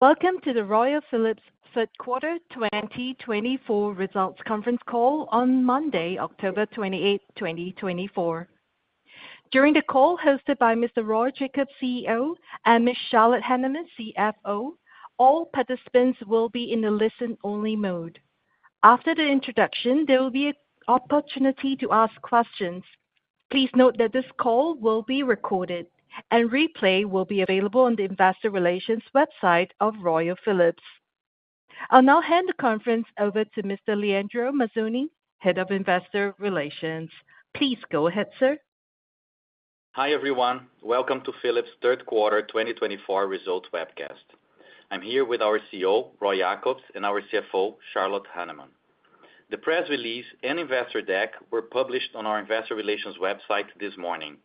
Welcome to the Royal Philips third quarter 2024 results conference call on Monday, October 28th, 2024. During the call, hosted by Mr. Roy Jakobs, CEO, and Ms. Charlotte Hanneman, CFO, all participants will be in a listen-only mode. After the introduction, there will be an opportunity to ask questions. Please note that this call will be recorded and replay will be available on the investor relations website of Royal Philips. I'll now hand the conference over to Mr. Leandro Mazzoni, Head of Investor Relations. Please go ahead, sir. Hi, everyone. Welcome to Philips' third quarter 2024 results webcast. I'm here with our CEO, Roy Jakobs, and our CFO, Charlotte Hanneman. The press release and investor deck were published on our investor relations website this morning.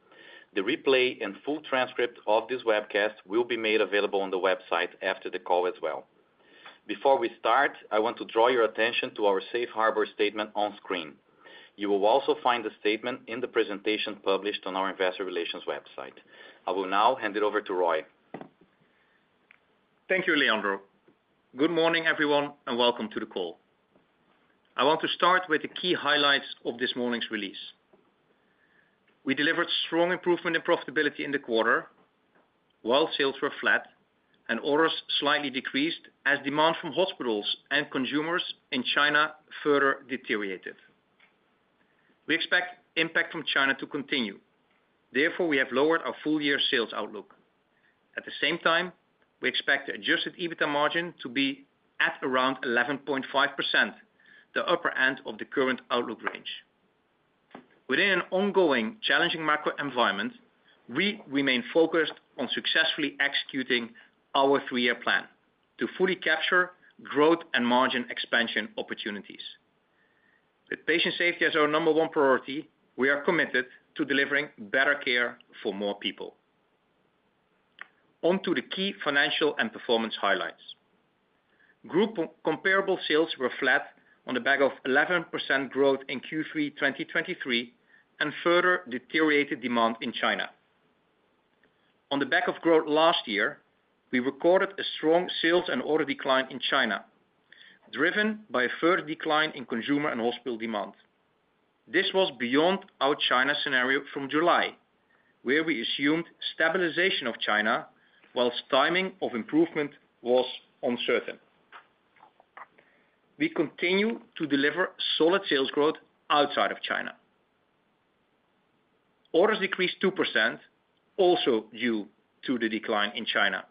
The replay and full transcript of this webcast will be made available on the website after the call as well. Before we start, I want to draw your attention to our safe harbor statement on screen. You will also find the statement in the presentation published on our investor relations website. I will now hand it over to Roy. Thank you, Leandro. Good morning, everyone, and welcome to the call. I want to start with the key highlights of this morning's release. We delivered strong improvement in profitability in the quarter, while sales were flat and orders slightly decreased as demand from hospitals and consumers in China further deteriorated. We expect impact from China to continue, therefore, we have lowered our full year sales outlook. At the same time, we expect adjusted EBITDA margin to be at around 11.5%, the upper end of the current outlook range. Within an ongoing challenging macro environment, we remain focused on successfully executing our three-year plan to fully capture growth and margin expansion opportunities. With patient safety as our number one priority, we are committed to delivering better care for more people. On to the key financial and performance highlights. Group comparable sales were flat on the back of 11% growth in Q3 2023, and further deteriorated demand in China. On the back of growth last year, we recorded a strong sales and order decline in China, driven by a further decline in consumer and hospital demand. This was beyond our China scenario from July, where we assumed stabilization of China, whilst timing of improvement was uncertain. We continue to deliver solid sales growth outside of China. Orders decreased 2%, also due to the decline in China.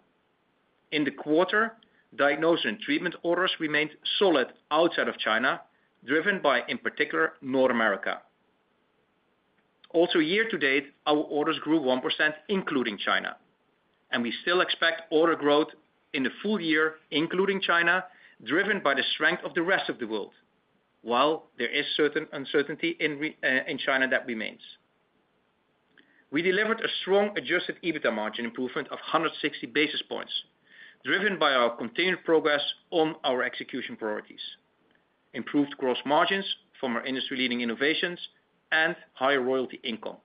In the quarter, Diagnosis and Treatment orders remained solid outside of China, driven by, in particular, North America. Also, year to date, our orders grew 1%, including China, and we still expect order growth in the full year, including China, driven by the strength of the rest of the world, while there is certain uncertainty in China that remains. We delivered a strong adjusted EBITDA margin improvement of 160 basis points, driven by our continued progress on our execution priorities, improved gross margins from our industry-leading innovations and higher royalty income.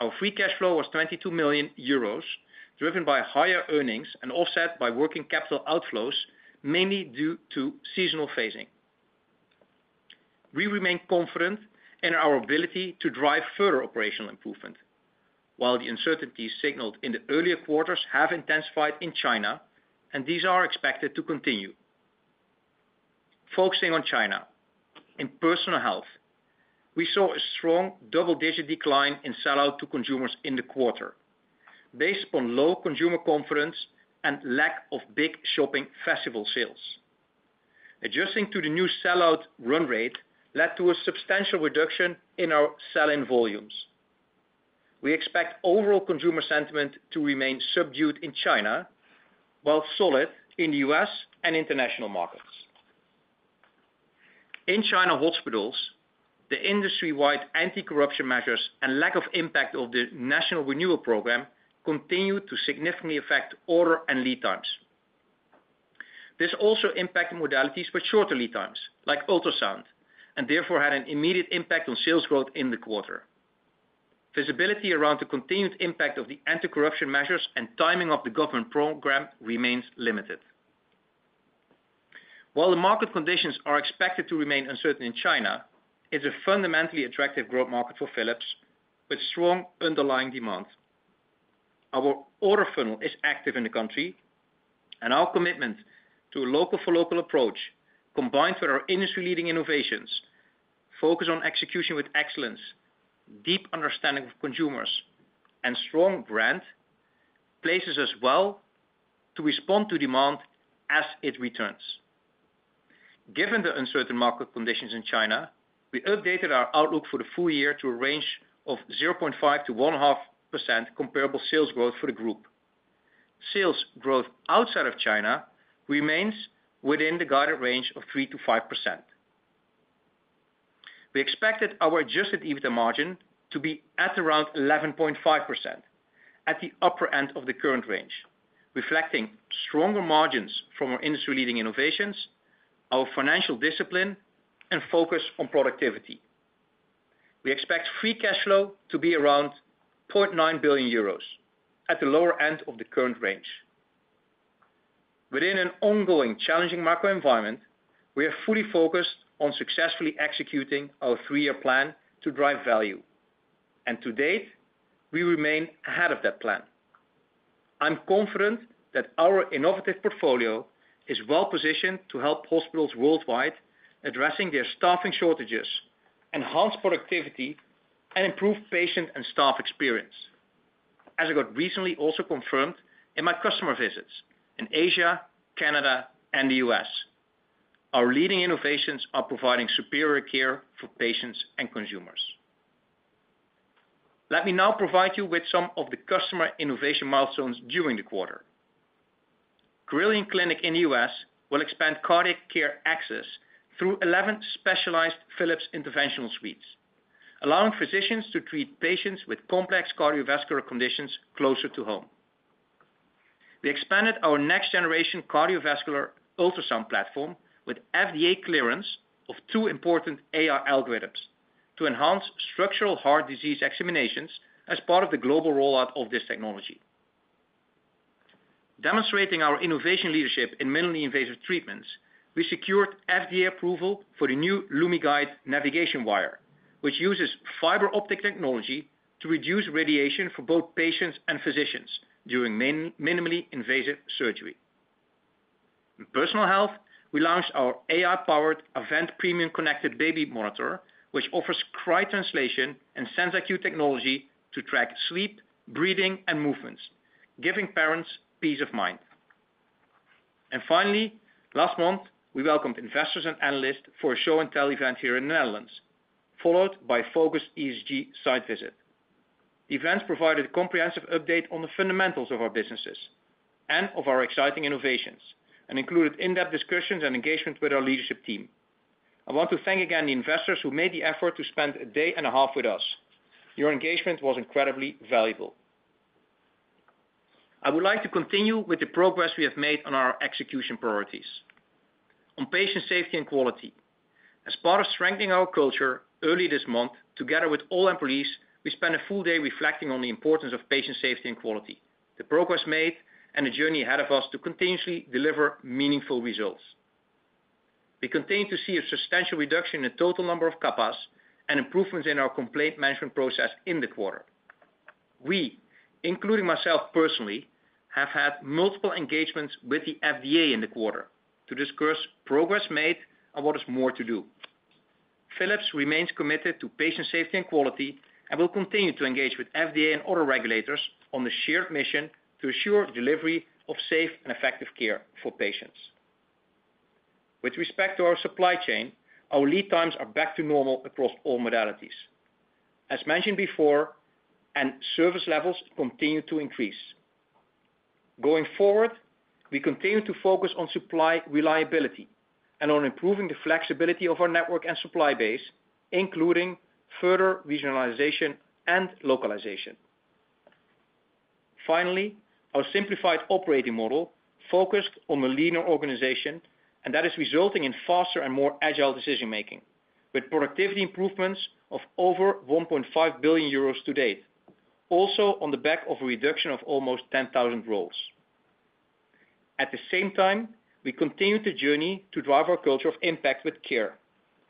Our free cash flow was 22 million euros, driven by higher earnings and offset by working capital outflows, mainly due to seasonal phasing. We remain confident in our ability to drive further operational improvement, while the uncertainties signaled in the earlier quarters have intensified in China, and these are expected to continue. Focusing on China. In Personal Health, we saw a strong double-digit decline in sellout to consumers in the quarter, based on low consumer confidence and lack of big shopping festival sales. Adjusting to the new sellout run rate led to a substantial reduction in our sell-in volumes. We expect overall consumer sentiment to remain subdued in China, while solid in the U.S. and international markets. In China hospitals, the industry-wide anti-corruption measures and lack of impact of the national renewal program continued to significantly affect order and lead times. This also impacted modalities with shorter lead times, like Ultrasound, and therefore had an immediate impact on sales growth in the quarter. Visibility around the continued impact of the anti-corruption measures and timing of the government program remains limited. While the market conditions are expected to remain uncertain in China, it's a fundamentally attractive growth market for Philips, with strong underlying demand. Our order funnel is active in the country, and our commitment to a local-for-local approach, combined with our industry-leading innovations, focus on execution with excellence, deep understanding of consumers, and strong brand, places us well to respond to demand as it returns. Given the uncertain market conditions in China, we updated our outlook for the full year to a range of 0.5%-1.5% comparable sales growth for the group. Sales growth outside of China remains within the guided range of 3%-5%. We expected our adjusted EBITDA margin to be at around 11.5%, at the upper end of the current range, reflecting stronger margins from our industry-leading innovations, our financial discipline, and focus on productivity. We expect free cash flow to be around 0.9 billion euros, at the lower end of the current range. Within an ongoing challenging macro environment, we are fully focused on successfully executing our three-year plan to drive value, and to date, we remain ahead of that plan. I'm confident that our innovative portfolio is well-positioned to help hospitals worldwide, addressing their staffing shortages, enhance productivity, and improve patient and staff experience. As it got recently also confirmed in my customer visits in Asia, Canada, and the U.S., our leading innovations are providing superior care for patients and consumers. Let me now provide you with some of the customer innovation milestones during the quarter. Carilion Clinic in the U.S. will expand cardiac care access through 11 specialized Philips interventional suites, allowing physicians to treat patients with complex cardiovascular conditions closer to home. We expanded our next generation cardiovascular ultrasound platform with FDA clearance of two important AI algorithms to enhance structural heart disease examinations as part of the global rollout of this technology. Demonstrating our innovation leadership in minimally invasive treatments, we secured FDA approval for the new LumiGuide navigation wire, which uses fiber optic technology to reduce radiation for both patients and physicians during minimally invasive surgery. In Personal Health, we launched our AI-powered Avent premium connected baby monitor, which offers cry translation and SenseIQ technology to track sleep, breathing and movements, giving parents peace of mind. And finally, last month, we welcomed investors and analysts for a show and tell event here in the Netherlands, followed by focused ESG site visit. The events provided a comprehensive update on the fundamentals of our businesses and of our exciting innovations, and included in-depth discussions and engagement with our leadership team. I want to thank again the investors who made the effort to spend a day and a half with us. Your engagement was incredibly valuable. I would like to continue with the progress we have made on our execution priorities. On patient safety and quality, as part of strengthening our culture, early this month, together with all employees, we spent a full day reflecting on the importance of patient safety and quality, the progress made, and the journey ahead of us to continuously deliver meaningful results. We continue to see a substantial reduction in the total number of CAPAs and improvements in our complaint management process in the quarter. We, including myself personally, have had multiple engagements with the FDA in the quarter to discuss progress made and what is more to do. Philips remains committed to patient safety and quality, and will continue to engage with FDA and other regulators on the shared mission to ensure delivery of safe and effective care for patients. With respect to our supply chain, our lead times are back to normal across all modalities. As mentioned before, and service levels continue to increase. Going forward, we continue to focus on supply reliability and on improving the flexibility of our network and supply base, including further regionalization and localization. Finally, our simplified operating model focused on a leaner organization, and that is resulting in faster and more agile decision-making, with productivity improvements of over 1.5 billion euros to date. Also, on the back of a reduction of almost 10,000 roles. At the same time, we continue the journey to drive our culture of impact with care,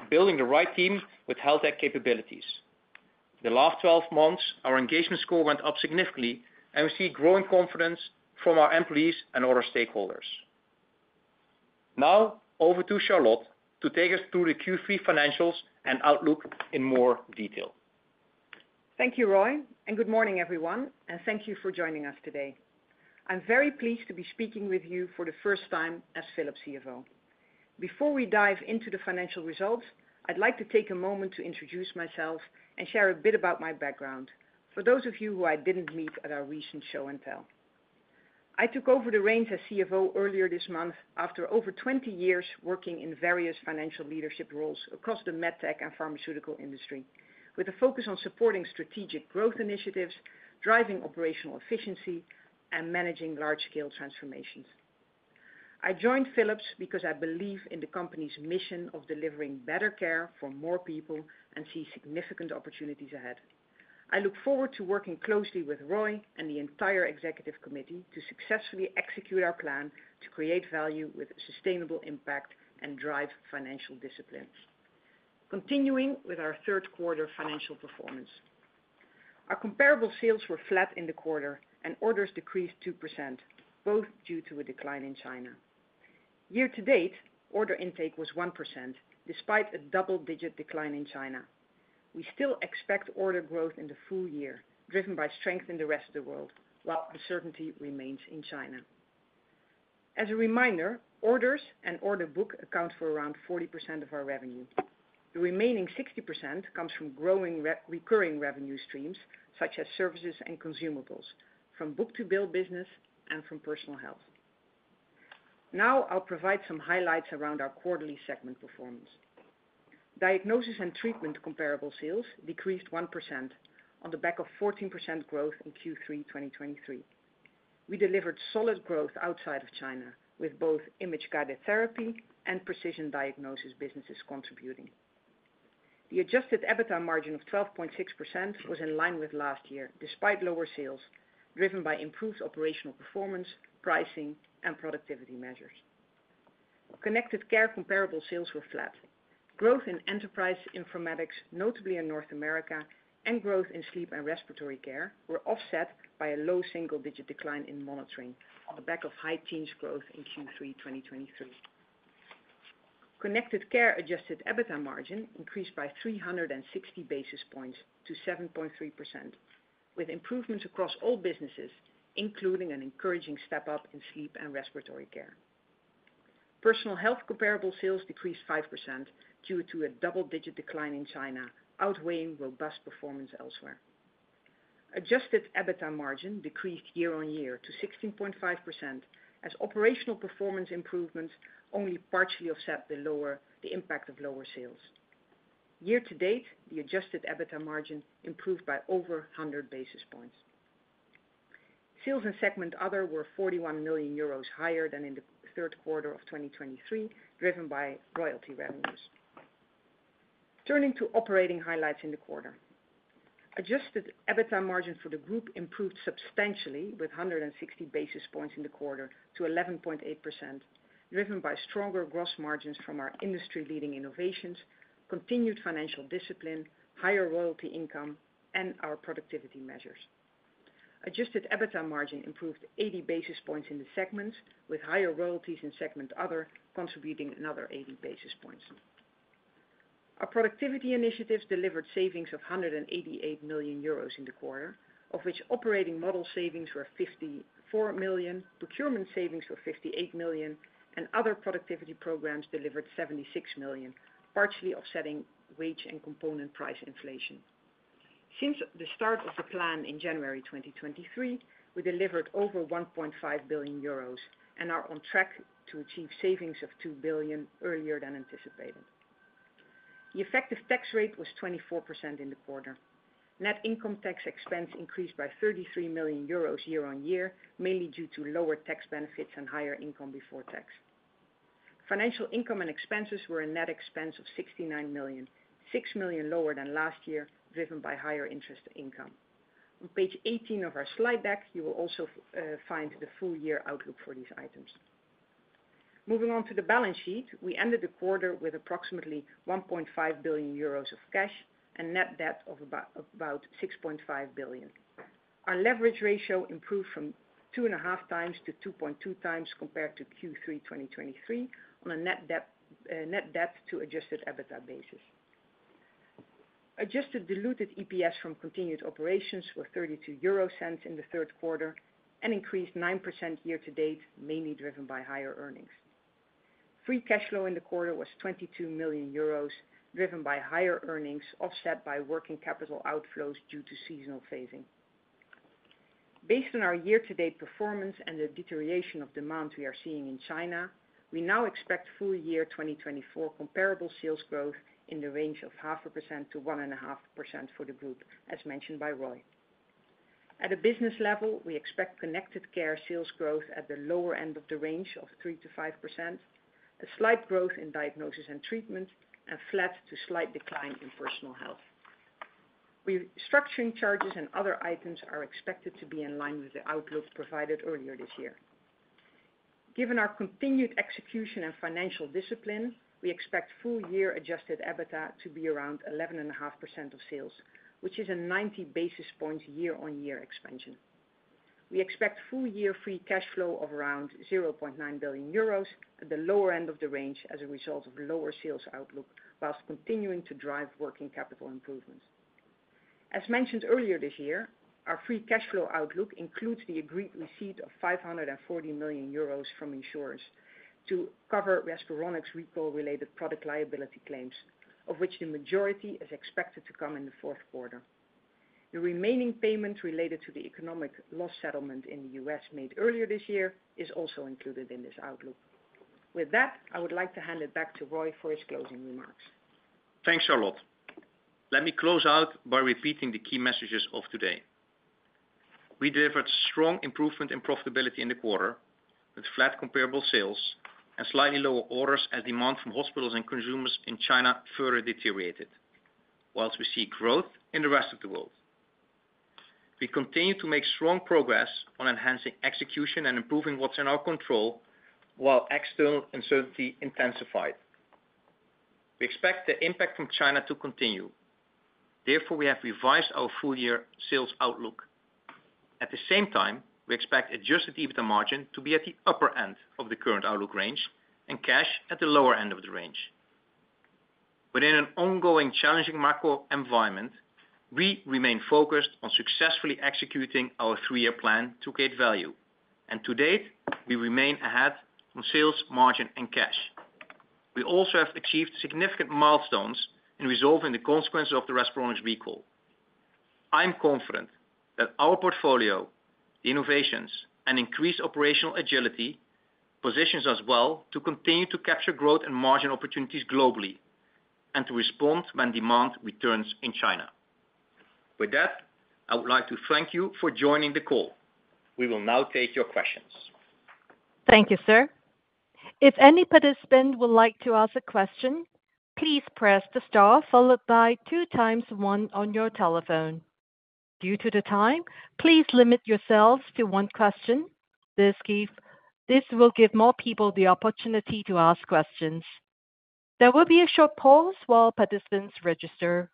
building the right team with health tech capabilities. The last twelve months, our engagement score went up significantly, and we see growing confidence from our employees and other stakeholders. Now, over to Charlotte to take us through the Q3 financials and outlook in more detail. Thank you, Roy, and good morning, everyone, and thank you for joining us today. I'm very pleased to be speaking with you for the first time as Philips CFO. Before we dive into the financial results, I'd like to take a moment to introduce myself and share a bit about my background, for those of you who I didn't meet at our recent show and tell. I took over the reins as CFO earlier this month after over twenty years working in various financial leadership roles across the med tech and pharmaceutical industry, with a focus on supporting strategic growth initiatives, driving operational efficiency, and managing large-scale transformations. I joined Philips because I believe in the company's mission of delivering better care for more people and see significant opportunities ahead. I look forward to working closely with Roy and the entire executive committee to successfully execute our plan to create value with sustainable impact and drive financial disciplines. Continuing with our third quarter financial performance. Our comparable sales were flat in the quarter, and orders decreased 2%, both due to a decline in China. Year to date, order intake was 1%, despite a double-digit decline in China. We still expect order growth in the full year, driven by strength in the rest of the world, while the certainty remains in China. As a reminder, orders and order book account for around 40% of our revenue. The remaining 60% comes from growing re-recurring revenue streams, such as services and consumables, from book to bill business, and from Personal Health. Now, I'll provide some highlights around our quarterly segment performance. Diagnosis and Treatment comparable sales decreased 1% on the back of 14% growth in Q3 2023. We delivered solid growth outside of China, with both Image-Guided Therapy and Precision Diagnosis businesses contributing. The Adjusted EBITDA margin of 12.6% was in line with last year, despite lower sales, driven by improved operational performance, pricing, and productivity measures. Connected Care comparable sales were flat. Growth in Enterprise Informatics, notably in North America, and growth in Sleep and Respiratory Care, were offset by a low single-digit decline in Monitoring on the back of high teens growth in Q3 2023. Connected Care Adjusted EBITDA margin increased by 360 basis points to 7.3%, with improvements across all businesses, including an encouraging step up in Sleep and Respiratory Care. Personal Health comparable sales decreased 5% due to a double-digit decline in China, outweighing robust performance elsewhere. Adjusted EBITDA margin decreased year-on-year to 16.5% as operational performance improvements only partially offset the impact of lower sales. Year-to-date, the adjusted EBITDA margin improved by over 100 basis points. Sales in Segment Other were 41 million euros higher than in the third quarter of 2023, driven by royalty revenues. Turning to operating highlights in the quarter. Adjusted EBITDA margin for the group improved substantially with 160 basis points in the quarter to 11.8%, driven by stronger gross margins from our industry-leading innovations, continued financial discipline, higher royalty income, and our productivity measures. Adjusted EBITDA margin improved 80 basis points in the segments, with higher royalties in Segment Other, contributing another 80 basis points. Our productivity initiatives delivered savings of 188 million euros in the quarter, of which operating model savings were 54 million, procurement savings were 58 million, and other productivity programs delivered 76 million, partially offsetting wage and component price inflation. Since the start of the plan in January 2023, we delivered over 1.5 billion euros and are on track to achieve savings of 2 billion earlier than anticipated. The effective tax rate was 24% in the quarter. Net income tax expense increased by 33 million euros year-on-year, mainly due to lower tax benefits and higher income before tax. Financial income and expenses were a net expense of 69 million, six million lower than last year, driven by higher interest income. On page 18 of our slide deck, you will also find the full year outlook for these items. Moving on to the balance sheet, we ended the quarter with approximately 1.5 billion euros of cash and net debt of about 6.5 billion. Our leverage ratio improved from two and a half times to 2.2 times compared to Q3 2023, on a net debt to Adjusted EBITDA basis. Adjusted Diluted EPS from continued operations were 0.32 in the third quarter and increased 9% year-to-date, mainly driven by higher earnings. Free Cash Flow in the quarter was 22 million euros, driven by higher earnings, offset by working capital outflows due to seasonal phasing. Based on our year-to-date performance and the deterioration of demand we are seeing in China, we now expect full-year 2024 comparable sales growth in the range of 0.5% to 1.5% for the group, as mentioned by Roy. At a business level, we expect Connected Care sales growth at the lower end of the range of 3% to 5%, a slight growth in Diagnosis and Treatment, and flat to slight decline in Personal Health. Restructuring charges and other items are expected to be in line with the outlook provided earlier this year. Given our continued execution and financial discipline, we expect full-year adjusted EBITDA to be around 11.5% of sales, which is a ninety basis point year-on-year expansion. We expect full-year free cash flow of around 0.9 billion euros at the lower end of the range as a result of lower sales outlook, while continuing to drive working capital improvements. As mentioned earlier this year, our free cash flow outlook includes the agreed receipt of 540 million euros from insurers to cover Respironics recall-related product liability claims, of which the majority is expected to come in the fourth quarter. The remaining payment related to the economic loss settlement in the U.S. made earlier this year is also included in this outlook. With that, I would like to hand it back to Roy for his closing remarks. Thanks, Charlotte. Let me close out by repeating the key messages of today. We delivered strong improvement in profitability in the quarter, with flat comparable sales and slightly lower orders as demand from hospitals and consumers in China further deteriorated, while we see growth in the rest of the world. We continue to make strong progress on enhancing execution and improving what's in our control, while external uncertainty intensified. We expect the impact from China to continue. Therefore, we have revised our full year sales outlook. At the same time, we expect adjusted EBITDA margin to be at the upper end of the current outlook range and cash at the lower end of the range. But in an ongoing challenging macro environment, we remain focused on successfully executing our three-year plan to create value, and to date, we remain ahead on sales, margin, and cash. We also have achieved significant milestones in resolving the consequences of the Respironics recall. I'm confident that our portfolio, innovations, and increased operational agility, positions us well to continue to capture growth and margin opportunities globally... and to respond when demand returns in China. With that, I would like to thank you for joining the call. We will now take your questions. Thank you, sir. If any participant would like to ask a question, please press the star followed by two times one on your telephone. Due to the time, please limit yourselves to one question. This will give more people the opportunity to ask questions. There will be a short pause while participants register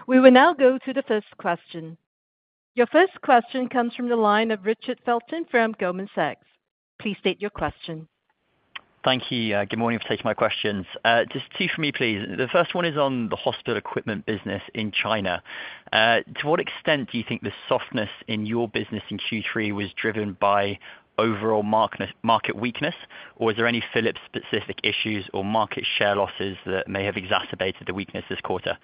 for a question. We will now go to the first question. Your first question comes from the line of Richard Felton from Goldman Sachs. Please state your question. Thank you. Good morning for taking my questions. Just two for me, please. The first one is on the hospital equipment business in China. To what extent do you think the softness in your business in Q3 was driven by overall market weakness, or is there any Philips specific issues or market share losses that may have exacerbated the weakness this quarter?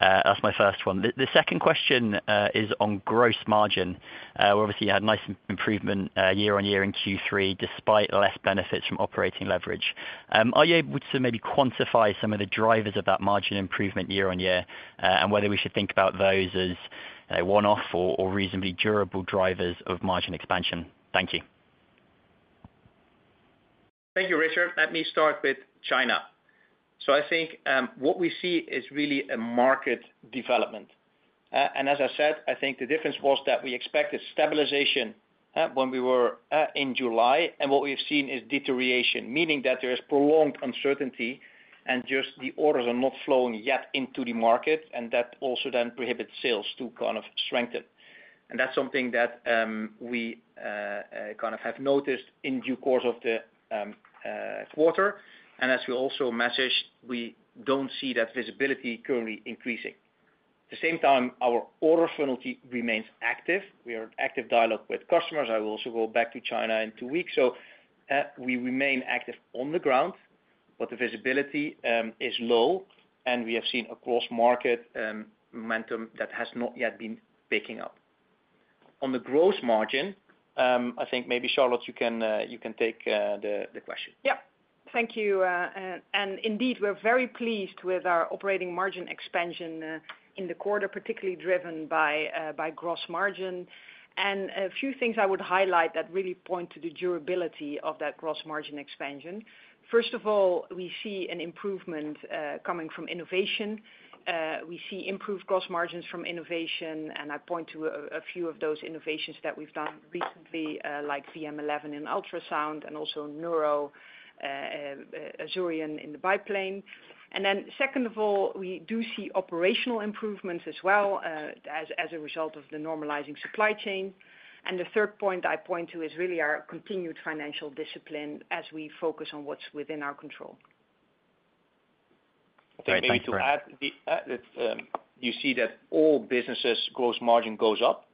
That's my first one. The second question is on gross margin. Obviously you had nice improvement year on year in Q3, despite less benefits from operating leverage. Are you able to maybe quantify some of the drivers of that margin improvement year on year, and whether we should think about those as a one-off or reasonably durable drivers of margin expansion? Thank you. Thank you, Richard. Let me start with China. So I think what we see is really a market development. And as I said, I think the difference was that we expected stabilization when we were in July, and what we have seen is deterioration, meaning that there is prolonged uncertainty and just the orders are not flowing yet into the market, and that also then prohibits sales to kind of strengthen. And that's something that we kind of have noticed in due course of the quarter. And as we also messaged, we don't see that visibility currently increasing. The same time, our order funnel remains active. We are in active dialogue with customers. I will also go back to China in two weeks, so, we remain active on the ground, but the visibility is low, and we have seen across market momentum that has not yet been picking up. On the gross margin, I think maybe, Charlotte, you can take the question. Yeah. Thank you, and indeed, we're very pleased with our operating margin expansion in the quarter, particularly driven by gross margin. And a few things I would highlight that really point to the durability of that gross margin expansion: first of all, we see an improvement coming from innovation. We see improved gross margins from innovation, and I point to a few of those innovations that we've done recently, like VM11 in Ultrasound and also Neuro Azurion in the biplane. And then, second of all, we do see operational improvements as well, as a result of the normalizing supply chain. And the third point I point to is really our continued financial discipline as we focus on what's within our control. All right, thanks for... Maybe to add, you see that all businesses gross margin goes up,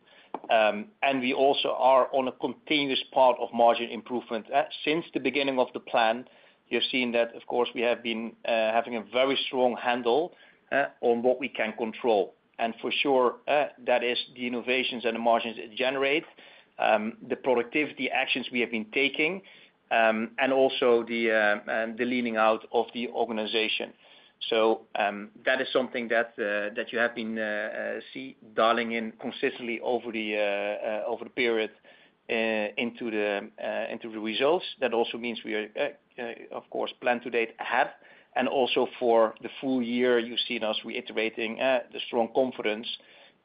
and we also are on a continuous path of margin improvement. Since the beginning of the plan, you've seen that, of course, we have been having a very strong handle on what we can control. And for sure, that is the innovations and the margins it generates, the productivity actions we have been taking, and also the leaning out of the organization. So, that is something that you have been seeing dialing in consistently over the period into the results. That also means we are of course planning to date ahead, and also for the full year. You've seen us reiterating the strong confidence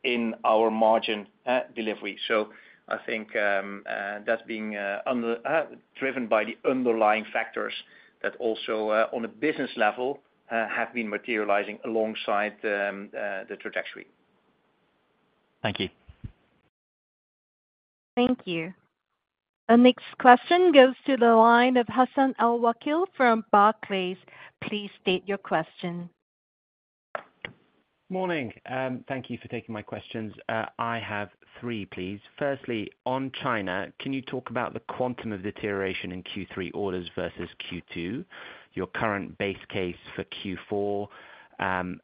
in our margin delivery, so I think that's being driven by the underlying factors that also on a business level have been materializing alongside the trajectory. Thank you. Thank you. Our next question goes to the line of Hassan Al-Wakeel from Barclays. Please state your question. Morning, thank you for taking my questions. I have three, please. Firstly, on China, can you talk about the quantum of deterioration in Q3 orders versus Q2, your current base case for Q4?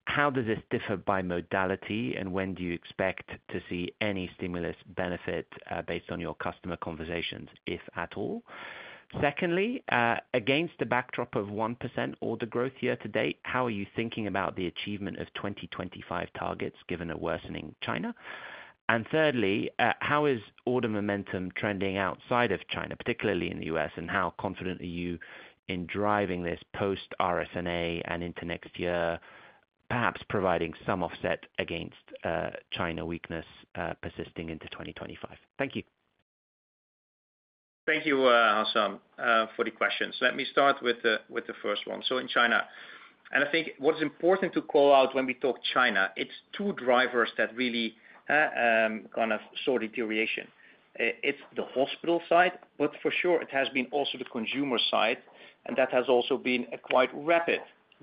How does this differ by modality, and when do you expect to see any stimulus benefit, based on your customer conversations, if at all? Secondly, against the backdrop of 1% order growth year to date, how are you thinking about the achievement of 2025 targets, given a worsening China? And thirdly, how is order momentum trending outside of China, particularly in the U.S., and how confident are you in driving this post-RSNA and into next year, perhaps providing some offset against, China weakness, persisting into 2025? Thank you. Thank you, Hassan, for the questions. Let me start with the first one, so in China, and I think what is important to call out when we talk China, it's two drivers that really kind of saw deterioration. It's the hospital side, but for sure, it has been also the consumer side, and that has also been a quite rapid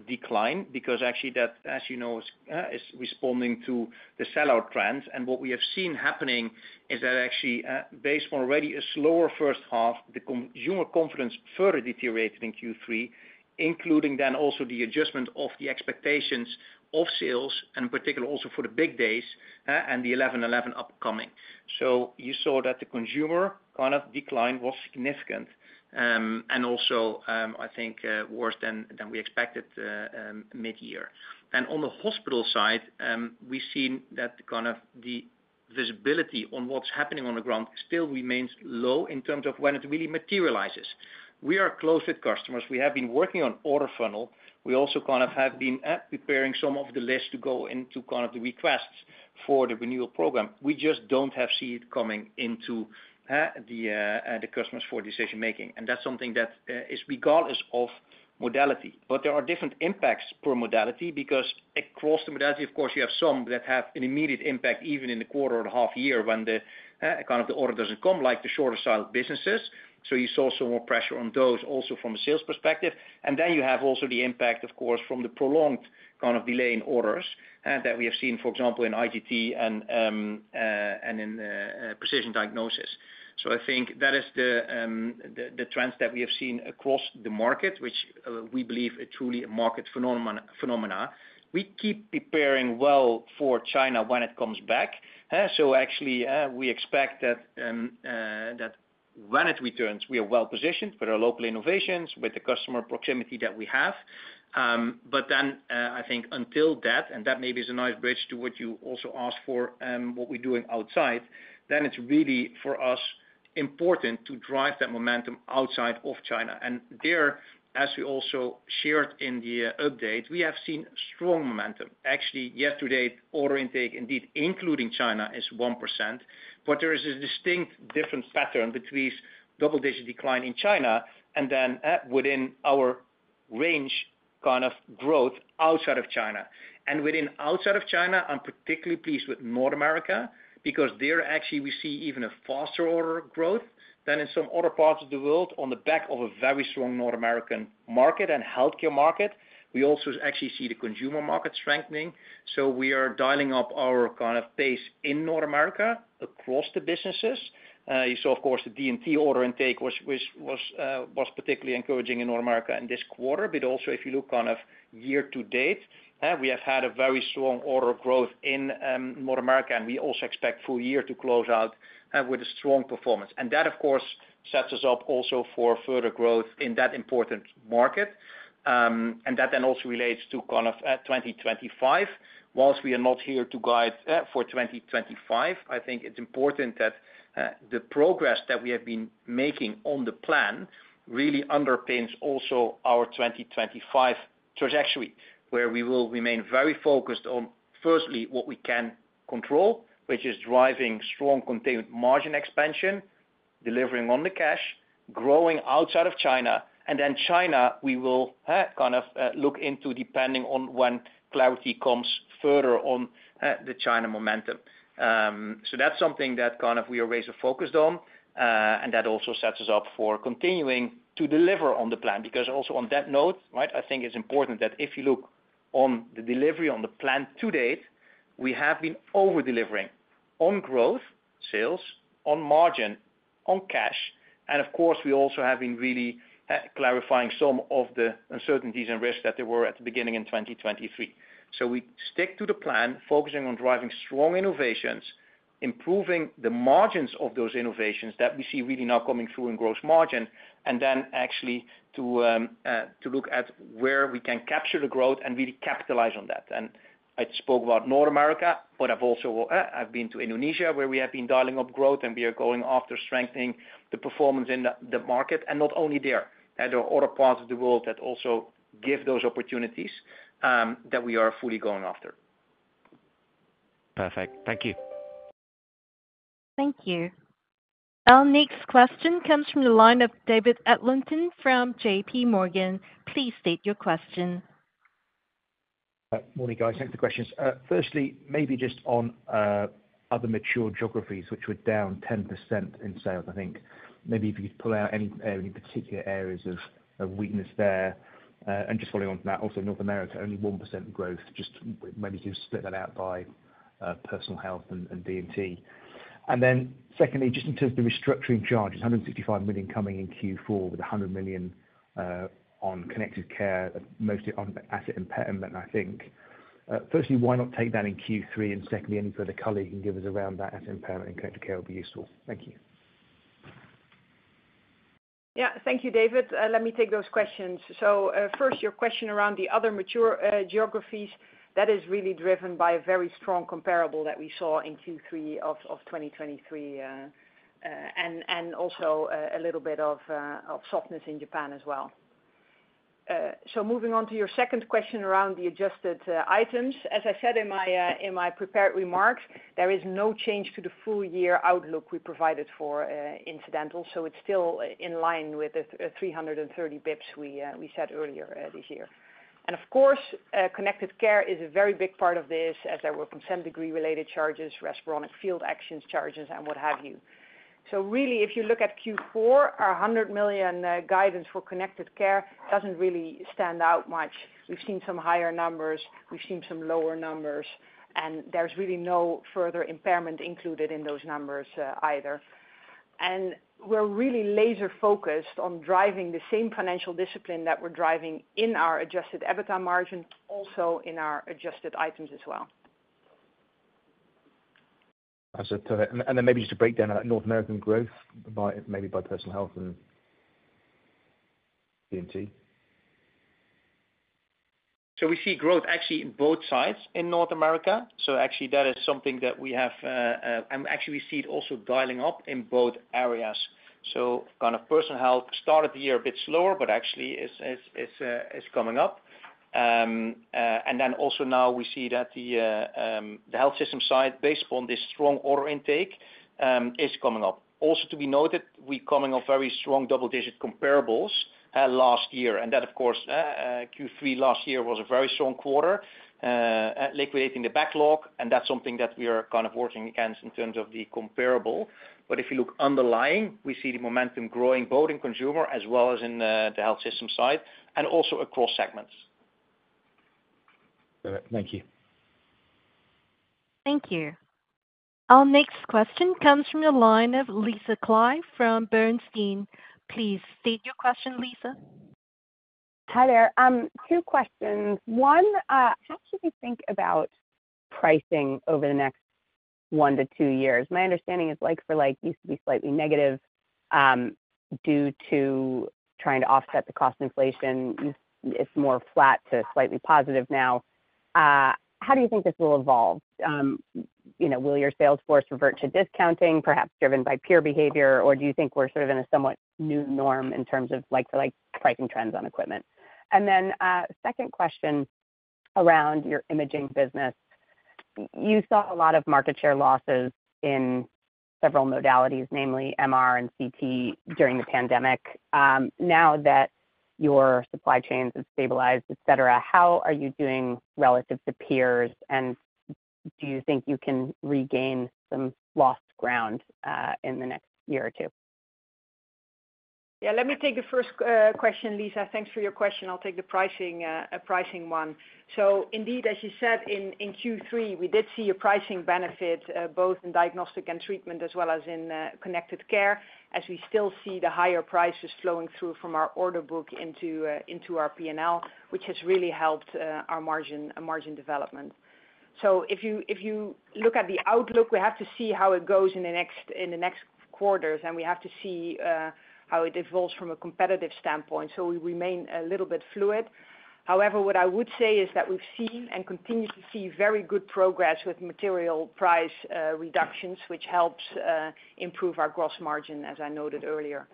decline because actually that, as you know, is responding to the sell-out trends, and what we have seen happening is that actually, based on already a slower first half, the consumer confidence further deteriorated in Q3, including then also the adjustment of the expectations of sales, and in particular, also for the big days, and the 11.11 upcoming. So you saw that the consumer kind of decline was significant, and also, I think, worse than we expected mid-year. And on the hospital side, we've seen that kind of the visibility on what's happening on the ground still remains low in terms of when it really materializes. We are close with customers. We have been working on order funnel. We also kind of have been preparing some of the list to go into kind of the requests for the renewal program. We just don't have seen it coming into the customers for decision making, and that's something that is regardless of modality. But there are different impacts per modality, because across the modality, of course, you have some that have an immediate impact, even in the quarter or the half year, when the kind of the order doesn't come, like the shorter style businesses. So you saw some more pressure on those also from a sales perspective. And then you have also the impact, of course, from the prolonged kind of delay in orders that we have seen, for example, in IGT and in Precision Diagnosis. So I think that is the trends that we have seen across the market, which we believe are truly a market phenomena. We keep preparing well for China when it comes back. So actually, we expect that that when it returns, we are well positioned with our local innovations, with the customer proximity that we have. But then, I think until that, and that maybe is a nice bridge to what you also asked for, what we're doing outside, then it's really, for us, important to drive that momentum outside of China. And there, as we also shared in the update, we have seen strong momentum. Actually, year to date, order intake, indeed, including China, is 1%, but there is a distinct different pattern between double-digit decline in China and then, within our range, kind of growth outside of China. Within outside of China, I'm particularly pleased with North America, because there, actually, we see even a faster order growth than in some other parts of the world on the back of a very strong North American market and healthcare market. We also actually see the consumer market strengthening, so we are dialing up our kind of pace in North America across the businesses. You saw, of course, the D&T order intake was particularly encouraging in North America in this quarter. But also, if you look kind of year to date, we have had a very strong order growth in North America, and we also expect full year to close out with a strong performance. That, of course, sets us up also for further growth in that important market. And that then also relates to kind of 2025. While we are not here to guide for 2025, I think it's important that the progress that we have been making on the plan really underpins also our 2025 trajectory, where we will remain very focused on, firstly, what we can control, which is driving strong contained margin expansion, delivering on the cash, growing outside of China. Then China, we will kind of look into, depending on when clarity comes further on the China momentum. So that's something that kind of we are razor focused on, and that also sets us up for continuing to deliver on the plan. Because also on that note, right, I think it's important that if you look on the delivery on the plan to date, we have been over-delivering on growth, sales, on margin, on cash, and of course, we also have been really clarifying some of the uncertainties and risks that there were at the beginning in 2023. So we stick to the plan, focusing on driving strong innovations, improving the margins of those innovations that we see really now coming through in gross margin, and then actually to look at where we can capture the growth and really capitalize on that. And I spoke about North America, but I've also been to Indonesia, where we have been dialing up growth, and we are going after strengthening the performance in the market, and not only there. There are other parts of the world that also give those opportunities, that we are fully going after. Perfect. Thank you. Thank you. Our next question comes from the line of David Adlington from JP Morgan. Please state your question. Morning, guys. Thanks for the questions. Firstly, maybe just on other mature geographies, which were down 10% in sales, I think. Maybe if you could pull out any particular areas of weakness there. And just following on from that, also, North America, only 1% growth, just maybe you could split that out by Personal Health and D&T. And then secondly, just in terms of the restructuring charges, 165 million coming in Q4 with 100 million on connected care, mostly on asset impairment, I think. Firstly, why not take that in Q3? And secondly, any further color you can give us around that asset impairment in connected care would be useful. Thank you. Yeah. Thank you, David. Let me take those questions. So, first, your question around the other mature geographies, that is really driven by a very strong comparable that we saw in Q3 of 2023, and also a little bit of softness in Japan as well. So moving on to your second question around the adjusted items. As I said in my prepared remarks, there is no change to the full year outlook we provided for incidental, so it's still in line with the 330 basis points we said earlier this year. And of course, Connected Care is a very big part of this, as there were Consent Decree-related charges, Respironics field actions charges, and what have you. Really, if you look at Q4, our 100 million guidance for Connected Care doesn't really stand out much. We've seen some higher numbers, we've seen some lower numbers, and there's really no further impairment included in those numbers, either. And we're really laser focused on driving the same financial discipline that we're driving in our adjusted EBITDA margin, also in our adjusted items as well. That's it, and then maybe just to break down that North American growth by, maybe by Personal Health and D&T. So we see growth actually in both sides in North America. So actually that is something that we have, and actually we see it also dialing up in both areas. So kind of Personal Health started the year a bit slower, but actually is coming up. And then also now we see that the health system side, based on this strong order intake, is coming up. Also to be noted, we're coming off very strong double digit comparables last year, and that, of course, Q3 last year was a very strong quarter at liquidating the backlog, and that's something that we are kind of working against in terms of the comparable. But if you look underlying, we see the momentum growing both in consumer as well as in the health system side and also across segments. All right. Thank you. Thank you. Our next question comes from the line of Lisa Clive from Bernstein. Please state your question, Lisa. Hi there. Two questions. One, how should we think about pricing over the next one to two years? My understanding is like, for like, used to be slightly negative, due to trying to offset the cost inflation. It's more flat to slightly positive now. How do you think this will evolve? You know, will your sales force revert to discounting, perhaps driven by peer behavior, or do you think we're sort of in a somewhat new norm in terms of like-to-like pricing trends on equipment? And then, second question around your imaging business. You saw a lot of market share losses in several modalities, namely MR and CT, during the pandemic. Now that your supply chains have stabilized, et cetera, how are you doing relative to peers, and do you think you can regain some lost ground in the next year or two? Yeah, let me take the first question, Lisa. Thanks for your question. I'll take the pricing one. So indeed, as you said, in Q3, we did see a pricing benefit both in diagnostic and treatment as well as in connected care, as we still see the higher prices flowing through from our order book into our P&L, which has really helped our margin development. So if you look at the outlook, we have to see how it goes in the next quarters, and we have to see how it evolves from a competitive standpoint. So we remain a little bit fluid. However, what I would say is that we've seen and continue to see very good progress with material price reductions, which helps improve our gross margin, as I noted earlier.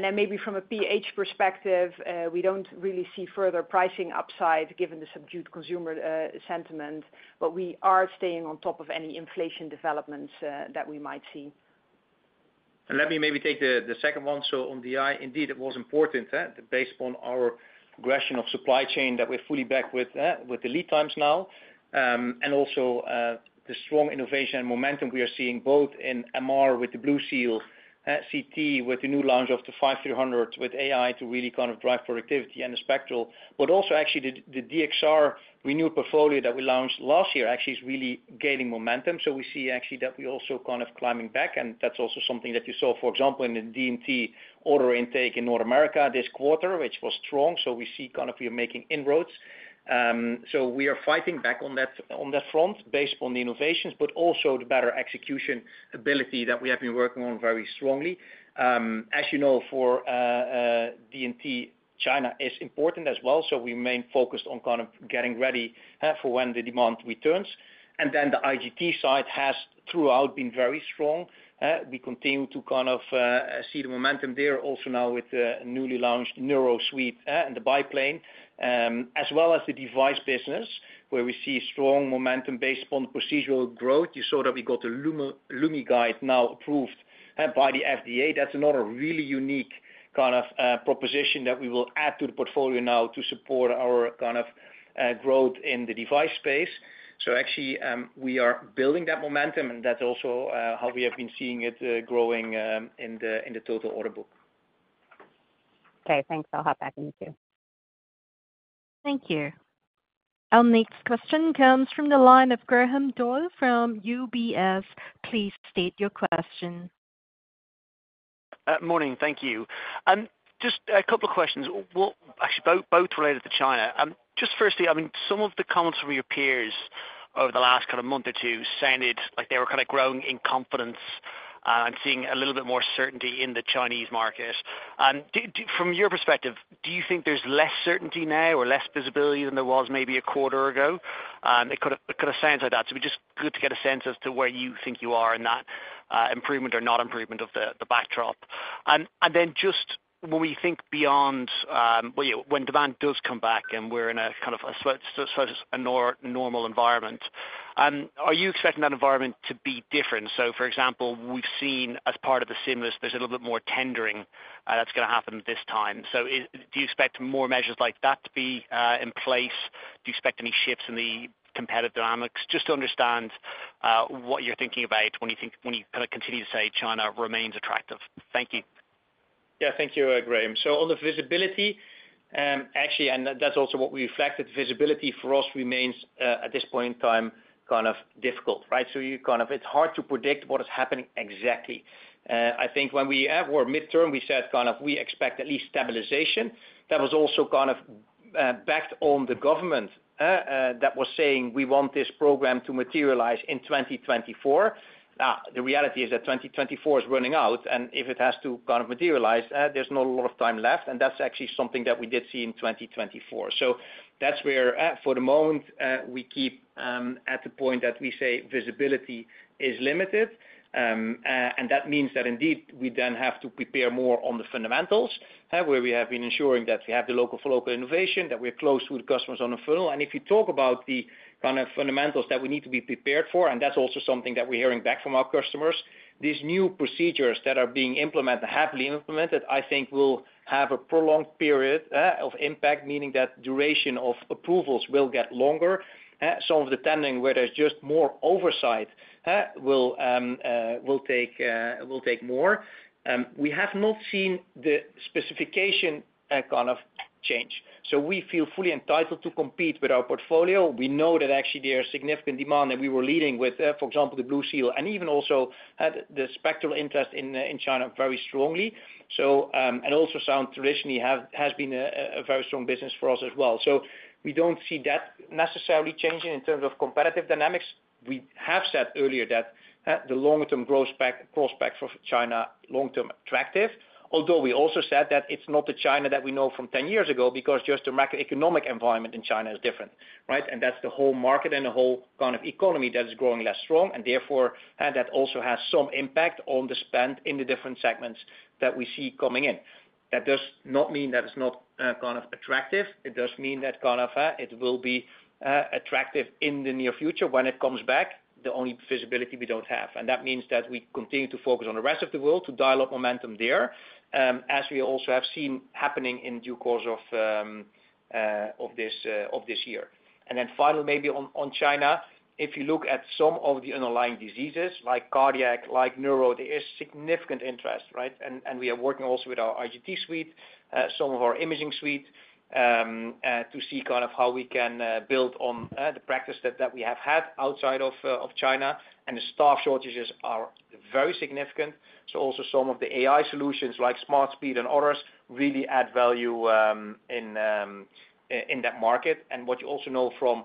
Then maybe from a PH perspective, we don't really see further pricing upside, given the subdued consumer sentiment, but we are staying on top of any inflation developments that we might see. Let me maybe take the second one. So on the IGT, indeed, it was important, based on our progression of supply chain, that we're fully back with the lead times now. And also, the strong innovation and momentum we are seeing, both in MR with the BlueSeal, CT, with the new launch of the CT 5300, with AI to really kind of drive productivity and the spectral. But also actually the DXR renewed portfolio that we launched last year actually is really gaining momentum. So we see actually that we're also kind of climbing back, and that's also something that you saw, for example, in the D&T order intake in North America this quarter, which was strong. So we see kind of we are making inroads. So we are fighting back on that, on that front based on the innovations, but also the better execution ability that we have been working on very strongly. As you know, for D&T, China is important as well, so we remain focused on kind of getting ready for when the demand returns. And then the IGT side has throughout been very strong. We continue to kind of see the momentum there also now with the newly launched NeuroSuite and the biplane as well as the device business, where we see strong momentum based on the procedural growth. You saw that we got the LumiGuide now approved by the FDA. That's another really unique kind of proposition that we will add to the portfolio now to support our kind of growth in the device space. Actually, we are building that momentum, and that's also how we have been seeing it growing in the total order book. Okay, thanks. I'll hop back in queue. Thank you. Our next question comes from the line of Graham Doyle from UBS. Please state your question. Morning. Thank you. Just a couple of questions. Well, actually, both related to China. Just firstly, I mean, some of the comments from your peers over the last kind of month or two sounded like they were kind of growing in confidence and seeing a little bit more certainty in the Chinese market. From your perspective, do you think there's less certainty now or less visibility than there was maybe a quarter ago? It could have sounded like that. So it'd be just good to get a sense as to where you think you are in that improvement or not improvement of the backdrop, and then just when we think beyond. When demand does come back and we're in a kind of a sort of a normal environment, are you expecting that environment to be different? So, for example, we've seen as part of the stimulus, there's a little bit more tendering that's going to happen this time. Do you expect more measures like that to be in place? Do you expect any shifts in the competitive dynamics? Just to understand what you're thinking about when you think, when you kind of continue to say China remains attractive. Thank you. Yeah, thank you, Graham. So on the visibility, actually, and that's also what we reflected, visibility for us remains at this point in time kind of difficult, right? It's hard to predict what is happening exactly. I think when we were midterm, we said kind of we expect at least stabilization. That was also kind of backed on the government that was saying, "We want this program to materialize in 2024." The reality is that 2024 is running out, and if it has to kind of materialize, there's not a lot of time left, and that's actually something that we did see in 2024. So that's where at for the moment, we keep at the point that we say visibility is limited. And that means that indeed, we then have to prepare more on the fundamentals, where we have been ensuring that we have the local innovation, that we're close with customers on the funnel. And if you talk about the kind of fundamentals that we need to be prepared for, and that's also something that we're hearing back from our customers, these new procedures that are being implemented, happily implemented, I think will have a prolonged period of impact, meaning that duration of approvals will get longer. So depending where there's just more oversight, will take more. We have not seen the specification kind of change, so we feel fully entitled to compete with our portfolio. We know that actually there are significant demand that we were leading with, for example, the BlueSeal, and even also, the spectral interest in, in China very strongly. So, and also Ultrasound traditionally has been a very strong business for us as well. So we don't see that necessarily changing in terms of competitive dynamics. We have said earlier that, the long-term growth prospects for China, long-term attractive. Although we also said that it's not the China that we know from ten years ago, because just the macroeconomic environment in China is different, right? And that's the whole market and the whole kind of economy that is growing less strong, and therefore, that also has some impact on the spend in the different segments that we see coming in. That does not mean that it's not, kind of attractive. It does mean that kind of it will be attractive in the near future when it comes back, the only visibility we don't have. And that means that we continue to focus on the rest of the world to dial up momentum there, as we also have seen happening in due course of this year. And then finally, maybe on China, if you look at some of the underlying diseases like cardiac, like neuro, there is significant interest, right? And we are working also with our IGT suite, some of our imaging suite, to see kind of how we can build on the practice that we have had outside of China. And the staff shortages are very significant. So also some of the AI solutions, like SmartSpeed and others, really add value in that market. And what you also know from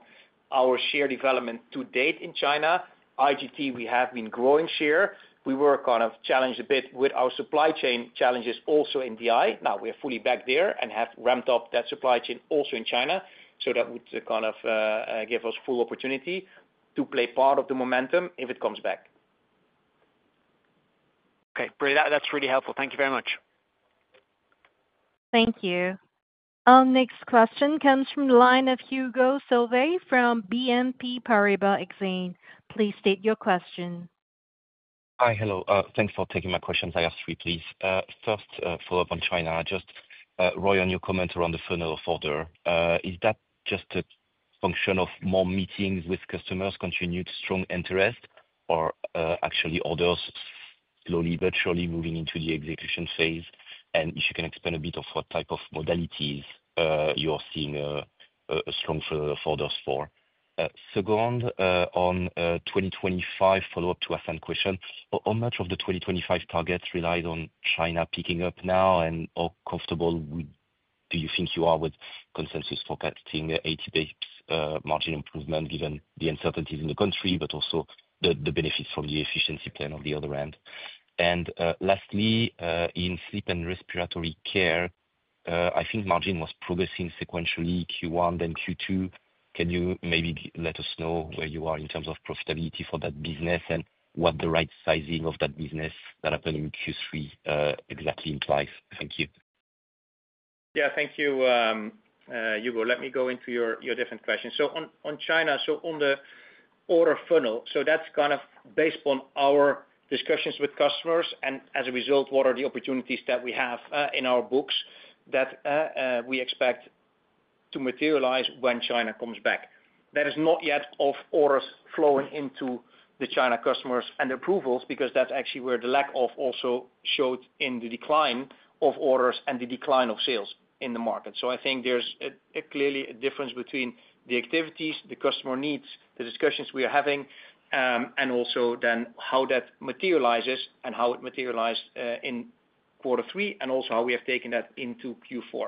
our share development to date in China, IGT, we have been growing share. We were kind of challenged a bit with our supply chain challenges also in DI. Now, we are fully back there and have ramped up that supply chain also in China, so that would kind of give us full opportunity to play part of the momentum if it comes back. Okay, great. That, that's really helpful. Thank you very much. Thank you. Our next question comes from the line of Hugo Sauvé from BNP Paribas Exane. Please state your question. Hi, hello. Thanks for taking my questions. I ask three, please. First, follow-up on China. Just, Roy, on your comment around the funnel of order, is that just a function of more meetings with customers, continued strong interest, or, actually orders slowly, virtually moving into the execution phase? And if you can explain a bit of what type of modalities, you are seeing, strong for, for those four. Second, on, 2025, follow-up to Hassan's question. How much of the 2025 targets relied on China picking up now, and how comfortable do you think you are with consensus forecasting, eighty base, margin improvement, given the uncertainties in the country, but also the, the benefits from the efficiency plan on the other end? Lastly, in Sleep and Respiratory Care, I think margin was progressing sequentially, Q1, then Q2. Can you maybe let us know where you are in terms of profitability for that business and what the right sizing of that business that happened in Q3 exactly implies? Thank you. Yeah. Thank you, Hugo. Let me go into your different questions. So on China, so on the order funnel, that's kind of based on our discussions with customers, and as a result, what are the opportunities that we have in our books that we expect to materialize when China comes back. That is not yet of orders flowing into the China customers and approvals, because that's actually where the lack of also showed in the decline of orders and the decline of sales in the market. So I think there's clearly a difference between the activities, the customer needs, the discussions we are having, and also then how that materializes and how it materialized in quarter three, and also how we have taken that into Q4,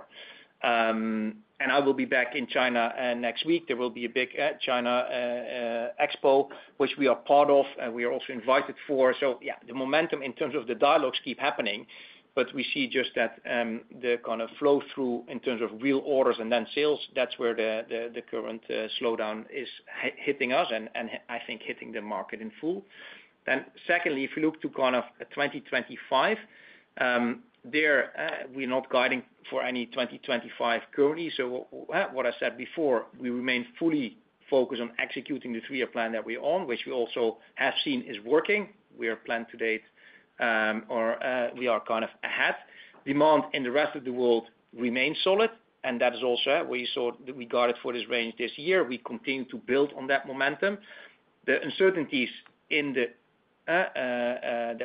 and I will be back in China next week. There will be a big China expo, which we are part of, and we are also invited for. So yeah, the momentum in terms of the dialogues keep happening, but we see just that, the kind of flow-through in terms of real orders and then sales, that's where the current slowdown is hitting us and I think hitting the market in full. Then secondly, if you look to kind of 2025, we're not guiding for any 2025 currently. So what I said before, we remain fully focused on executing the three-year plan that we're on, which we also have seen is working. We are planned to date, or, we are kind of ahead. Demand in the rest of the world remains solid, and that is also we saw we got it for this range this year. We continue to build on that momentum. The uncertainties that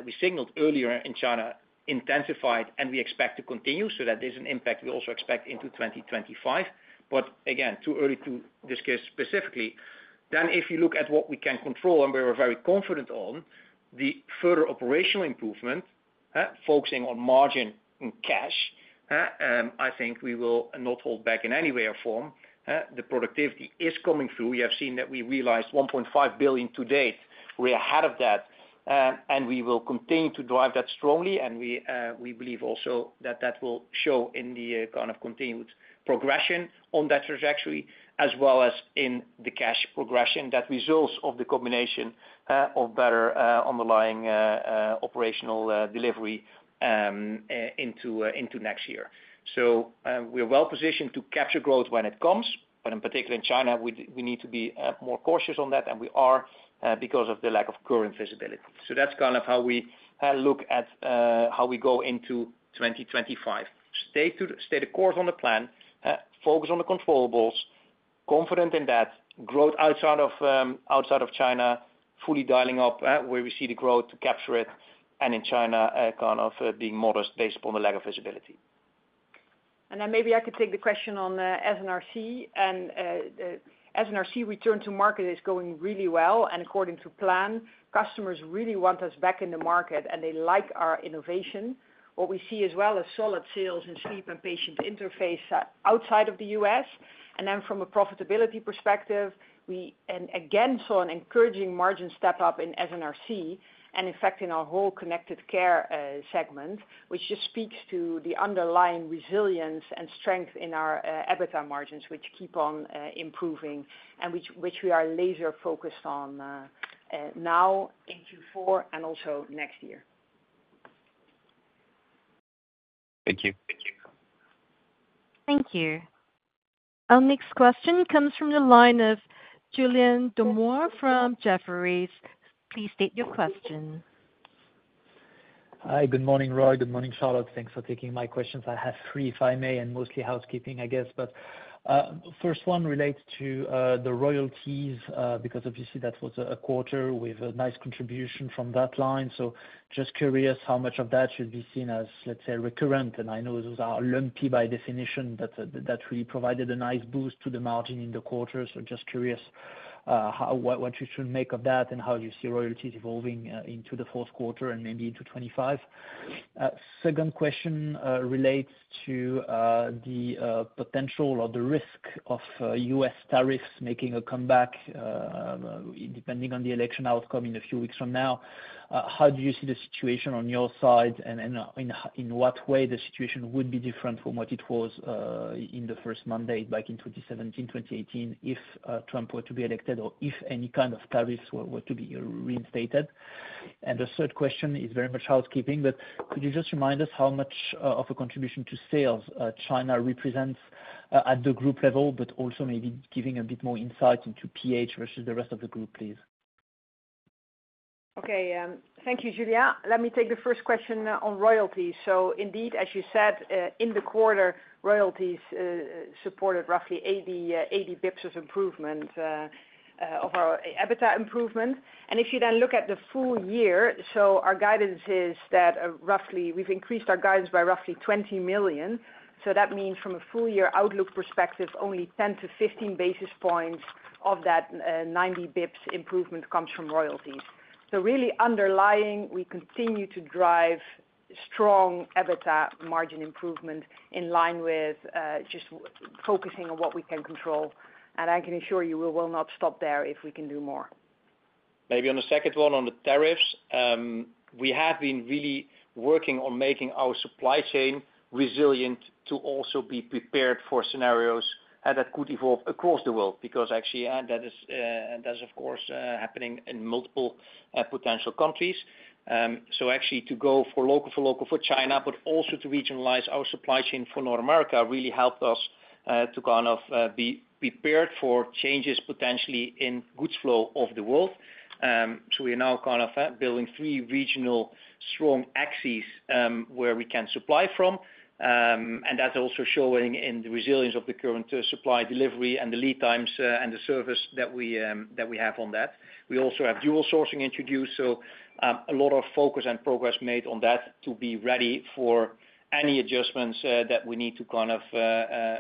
we signaled earlier in China intensified and we expect to continue, so that there's an impact we also expect into 2025. But again, too early to discuss specifically. If you look at what we can control, and we were very confident on the further operational improvement, focusing on margin and cash, I think we will not hold back in any way or form. The productivity is coming through. We have seen that we realized 1.5 billion to date. We are ahead of that, and we will continue to drive that strongly, and we believe also that that will show in the kind of continued progression on that trajectory, as well as in the cash progression, that results of the combination of better underlying operational delivery into next year. So we are well positioned to capture growth when it comes, but in particular in China, we need to be more cautious on that, and we are because of the lack of current visibility. So that's kind of how we look at how we go into 2025. Stay the course on the plan, focus on the controllables, confident in that, growth outside of China, fully dialing up where we see the growth to capture it, and in China, kind of being modest based upon the lack of visibility. And then maybe I could take the question on S&RC, and S&RC return to market is going really well, and according to plan, customers really want us back in the market, and they like our innovation. What we see as well is solid sales in Sleep and Patient Interface outside of the U.S., and then from a profitability perspective, we, and again, saw an encouraging margin step up in S&RC, and in fact, in our whole Connected Care segment, which just speaks to the underlying resilience and strength in our EBITDA margins, which keep on improving and which we are laser focused on now in Q4 and also next year. Thank you. Thank you. Our next question comes from the line of Julien Dormois from Jefferies. Please state your question. Hi, good morning, Roy, good morning, Charlotte. Thanks for taking my questions. I have three, if I may, and mostly housekeeping, I guess. But first one relates to the royalties, because obviously, that was a quarter with a nice contribution from that line. So just curious how much of that should be seen as, let's say, recurrent? And I know those are lumpy by definition, that really provided a nice boost to the margin in the quarter. So just curious, how what you should make of that, and how do you see royalties evolving into the fourth quarter and maybe into twenty-five? Second question relates to the potential or the risk of U.S. tariffs making a comeback, depending on the election outcome in a few weeks from now. How do you see the situation on your side and in what way the situation would be different from what it was in the first mandate back in twenty seventeen, twenty eighteen, if Trump were to be elected, or if any kind of tariffs were to be reinstated? And the third question is very much housekeeping, but could you just remind us how much of a contribution to sales China represents at the group level, but also maybe giving a bit more insight into PH versus the rest of the group, please? Okay, thank you, Julien. Let me take the first question on royalties. So indeed, as you said, in the quarter, royalties supported roughly 80 basis points of improvement of our EBITDA improvement. And if you then look at the full year, our guidance is that roughly we've increased our guidance by roughly 20 million. So that means from a full year outlook perspective, only 10-15 basis points of that 90 basis points improvement comes from royalties. So really underlying, we continue to drive strong EBITDA margin improvement in line with just focusing on what we can control. And I can assure you, we will not stop there if we can do more. Maybe on the second one, on the tariffs, we have been really working on making our supply chain resilient to also be prepared for scenarios that could evolve across the world, because actually that is of course happening in multiple potential countries. So actually to go for local-for-local for China, but also to regionalize our supply chain for North America, really helped us to kind of be prepared for changes potentially in goods flow of the world. So we are now kind of building three regional strong axes where we can supply from, and that's also showing in the resilience of the current supply delivery and the lead times and the service that we have on that. We also have dual sourcing introduced, so a lot of focus and progress made on that to be ready for any adjustments that we need to kind of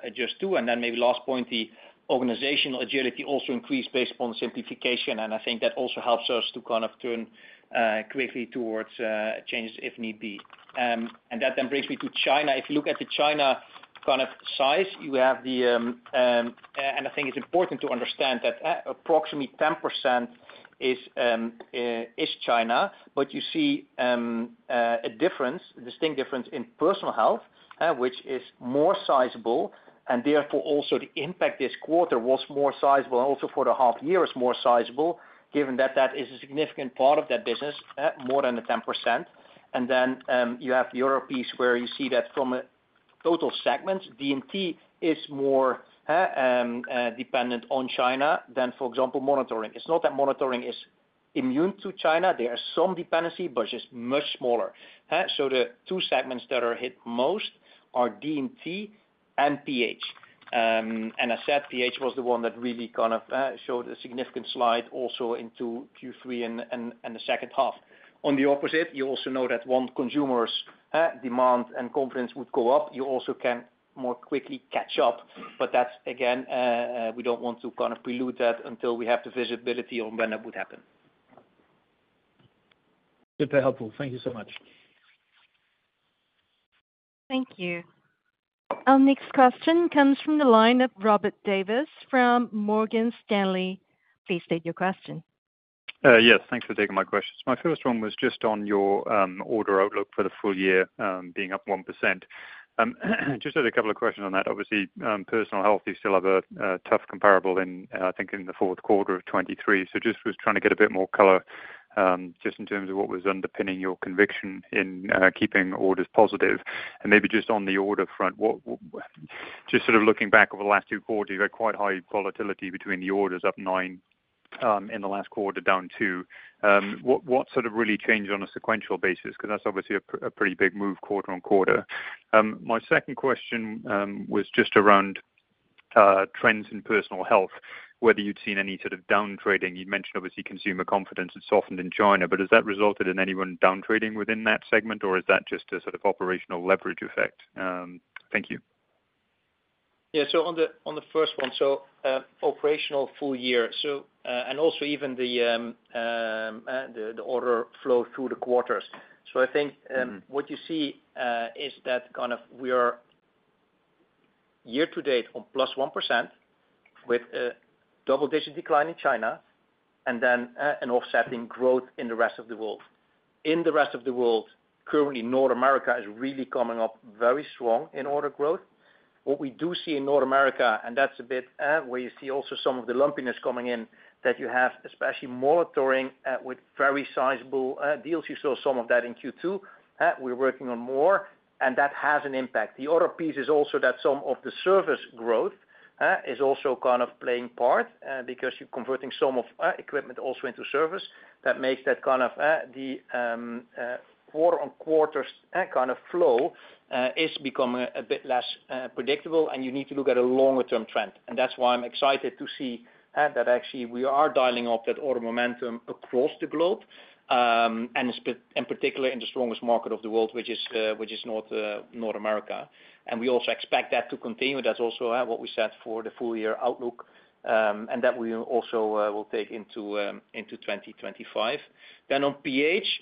adjust to. And then maybe last point, the organizational agility also increased based upon the simplification, and I think that also helps us to kind of turn quickly towards changes if need be. And that then brings me to China. If you look at the China kind of size, you have the... And I think it's important to understand that approximately 10% is China. But you see, a difference, a distinct difference in Personal Health, which is more sizable, and therefore, also the impact this quarter was more sizable and also for the half year is more sizable, given that that is a significant part of that business, more than the 10%. And then, you have the Europe piece, where you see that from a total segment, D&T is more dependent on China than, for example, Monitoring. It's not that Monitoring is immune to China, there are some dependency, but just much smaller. So the two segments that are hit most are D&T and PH. And I said PH was the one that really kind of showed a significant slide also into Q3 and the second half. On the opposite, you also know that once consumers demand and confidence would go up, you also can more quickly catch up. But that's again, we don't want to kind of prelude that until we have the visibility on when that would happen. Super helpful. Thank you so much. Thank you. Our next question comes from the line of Robert Davies from Morgan Stanley. Please state your question. Yes, thanks for taking my questions. My first one was just on your order outlook for the full year being up 1%. Just had a couple of questions on that. Obviously, Personal Health, you still have a tough comparable in, I think in the fourth quarter of 2023. So just was trying to get a bit more color just in terms of what was underpinning your conviction in keeping orders positive. And maybe just on the order front, what just sort of looking back over the last two quarters, you've had quite high volatility between the orders up 9% in the last quarter, down 2%. What sort of really changed on a sequential basis? 'Cause that's obviously a pretty big move quarter on quarter. My second question was just around trends in Personal Health, whether you'd seen any sort of downtrading. You'd mentioned, obviously, consumer confidence has softened in China, but has that resulted in anyone downtrading within that segment, or is that just a sort of operational leverage effect? Thank you. Yeah, so on the first one, so, operational full year, so, and also even the order flow through the quarters. So I think. Mm-hmm. What you see is that kind of we are year to date on +1% with a double-digit decline in China, and then an offsetting growth in the rest of the world. In the rest of the world, currently, North America is really coming up very strong in order growth. What we do see in North America, and that's a bit where you see also some of the lumpiness coming in, that you have, especially Monitoring with very sizable deals. You saw some of that in Q2. We're working on more, and that has an impact. The other piece is also that some of the service growth is also kind of playing part because you're converting some of equipment also into service. That makes that kind of the quarter on quarters kind of flow is becoming a bit less predictable, and you need to look at a longer term trend. And that's why I'm excited to see that actually we are dialing up that order momentum across the globe, and in particular, in the strongest market of the world, which is North America. And we also expect that to continue. That's also what we set for the full year outlook, and that we also will take into 2025. Then on PH,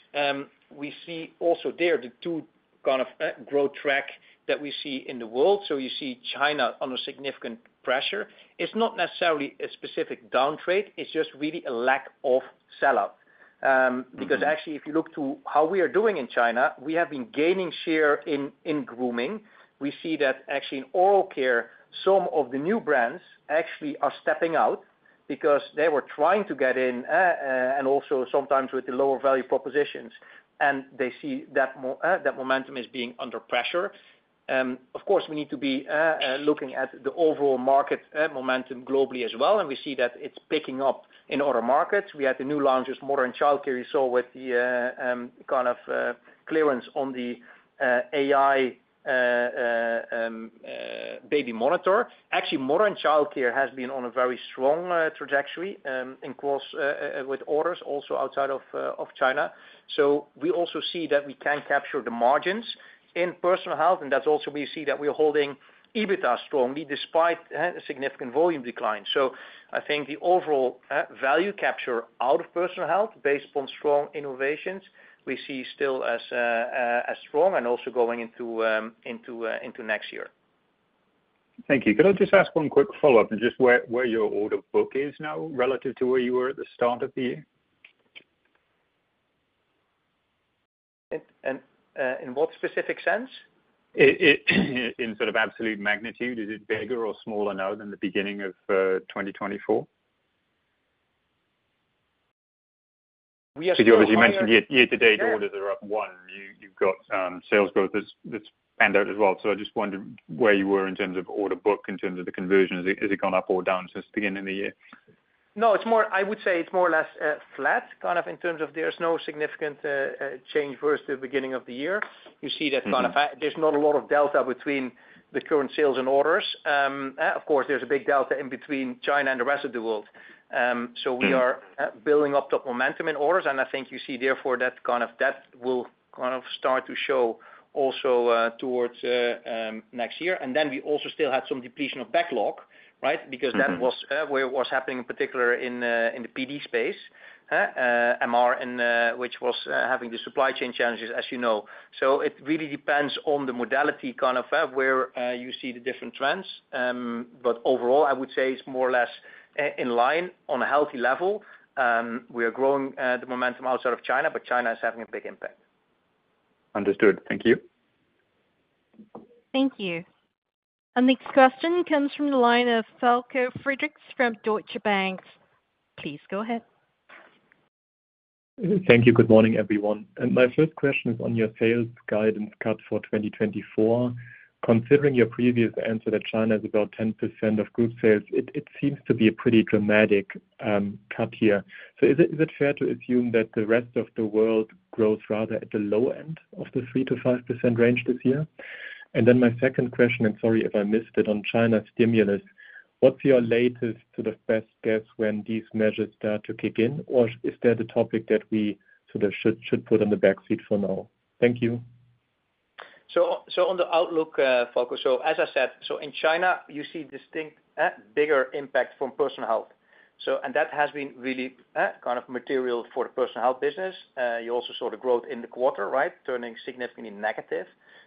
we see also there, the two kind of growth track that we see in the world. So you see China under significant pressure. It's not necessarily a specific downtrade, it's just really a lack of sell-out. Mm-hmm. Because actually, if you look to how we are doing in China, we have been gaining share in Grooming. We see that actually in Oral Care, some of the new brands actually are stepping out because they were trying to get in, and also sometimes with the lower value propositions, and they see that that momentum is being under pressure. Of course, we need to be looking at the overall market momentum globally as well, and we see that it's picking up in other markets. We had the new launches, Mother & Child Care you saw with the kind of clearance on the AI baby monitor. Actually, Mother & Child Care has been on a very strong trajectory, of course, with orders also outside of China. So we also see that we can capture the margins in Personal Health, and that's also we see that we're holding EBITDA strongly, despite a significant volume decline. I think the overall value capture out of Personal Health, based on strong innovations, we see still as strong and also going into next year. Thank you. Could I just ask one quick follow-up, and just where your order book is now relative to where you were at the start of the year? In what specific sense? In sort of absolute magnitude, is it bigger or smaller now than the beginning of 2024? We are. Because as you mentioned, year to date, orders are up one. You've got sales growth that's panned out as well. So I just wondered where you were in terms of order book, in terms of the conversion. Has it gone up or down since the beginning of the year? No, it's more... I would say it's more or less, flat, kind of in terms of there's no significant change versus the beginning of the year. You see that. Mm-hmm. Kind of fact, there's not a lot of delta between the current sales and orders. Of course, there's a big delta in between China and the rest of the world. So we are. Mm. Building up the momentum in orders, and I think you see therefore that kind of, that will kind of start to show also, towards, next year. And then we also still had some depletion of backlog, right? Mm-hmm. Because that was where it was happening, in particular in the PD space, MR and which was having the supply chain challenges, as you know. So it really depends on the modality, kind of, where you see the different trends. But overall, I would say it's more or less in line, on a healthy level. We are growing the momentum outside of China, but China is having a big impact. Understood. Thank you. Thank you. Our next question comes from the line of Falko Friedrichs from Deutsche Bank. Please go ahead. Thank you. Good morning, everyone. My first question is on your sales guidance cut for 2024. Considering your previous answer that China is about 10% of group sales, it seems to be a pretty dramatic cut here. So is it fair to assume that the rest of the world grows rather at the low end of the 3%-5% range this year? And then my second question, and sorry if I missed it, on China stimulus, what's your latest to the best guess when these measures start to kick in? Or is that a topic that we sort of should put on the backseat for now? Thank you. On the outlook, focus, as I said, in China, you see distinct bigger impact from Personal Health. And that has been really kind of material for the Personal Health business. You also saw the growth in the quarter, right? Turning significantly negative.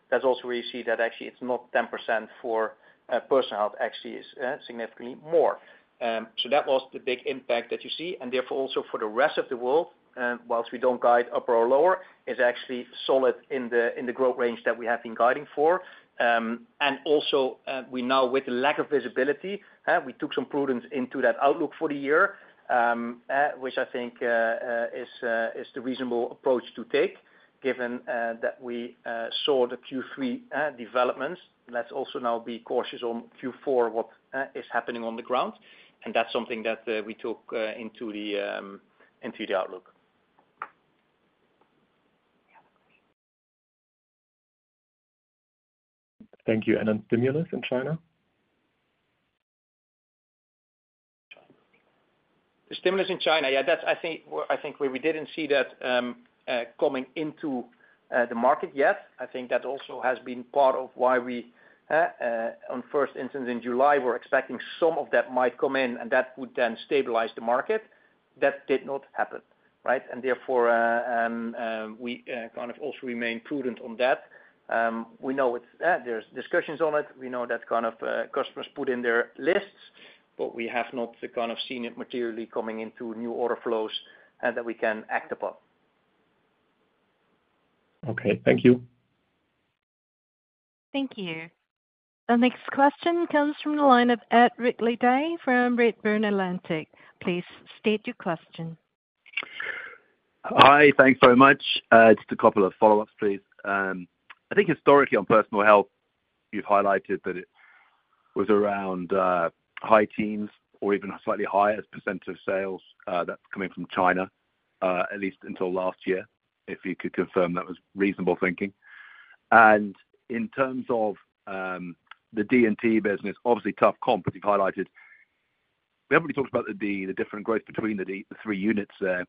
That's also where you see that actually it's not 10% for Personal Health, actually is significantly more. So that was the big impact that you see, and therefore, also for the rest of the world, whilst we don't guide upper or lower, is actually solid in the growth range that we have been guiding for. And also, with the lack of visibility, we took some prudence into that outlook for the year, which I think is the reasonable approach to take, given that we saw the Q3 developments. Let's also now be cautious on Q4, what is happening on the ground, and that's something that we took into the outlook. Thank you. And then stimulus in China? The stimulus in China, yeah, that's... I think, well, I think where we didn't see that, coming into, the market yet. I think that also has been part of why we, on first instance in July, were expecting some of that might come in, and that would then stabilize the market. That did not happen, right? And therefore, we, kind of also remain prudent on that. We know it's, there's discussions on it. We know that kind of, customers put in their lists, but we have not kind of seen it materially coming into new order flows, that we can act upon. Okay, thank you. Thank you. The next question comes from the line of Ed Ridley-Day from Redburn Atlantic. Please state your question. Hi, thanks very much. Just a couple of follow-ups, please. I think historically on Personal Health, you've highlighted that it was around high teens or even slightly higher as percent of sales that's coming from China, at least until last year. If you could confirm that was reasonable thinking. And in terms of the D&T business, obviously tough comp, you've highlighted. We haven't really talked about the different growth between the three units there.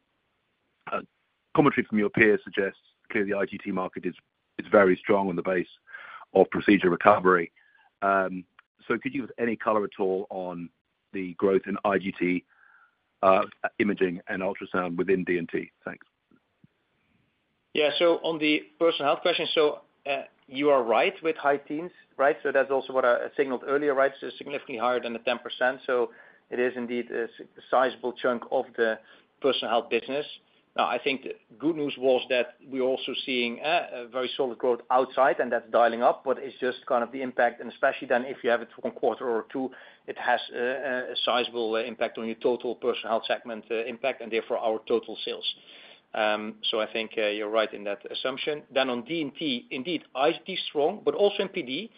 Commentary from your peers suggests clearly IGT market is very strong on the base of procedure recovery. So could you give any color at all on the growth in IGT, Imaging and Ultrasound within D&T? Thanks. Yeah, so on the Personal Health question, so, you are right with high teens, right? So that's also what I, I signaled earlier, right? So significantly higher than the 10%, so it is indeed a sizable chunk of the Personal Health business. Now, I think good news was that we're also seeing, a very solid growth outside, and that's dialing up, but it's just kind of the impact, and especially than if you have it one quarter or two, it has, a sizable impact on your total Personal Health segment, impact, and therefore our total sales. So I think, you're right in that assumption. Then on D&T, indeed, IGT is strong, but also in PD,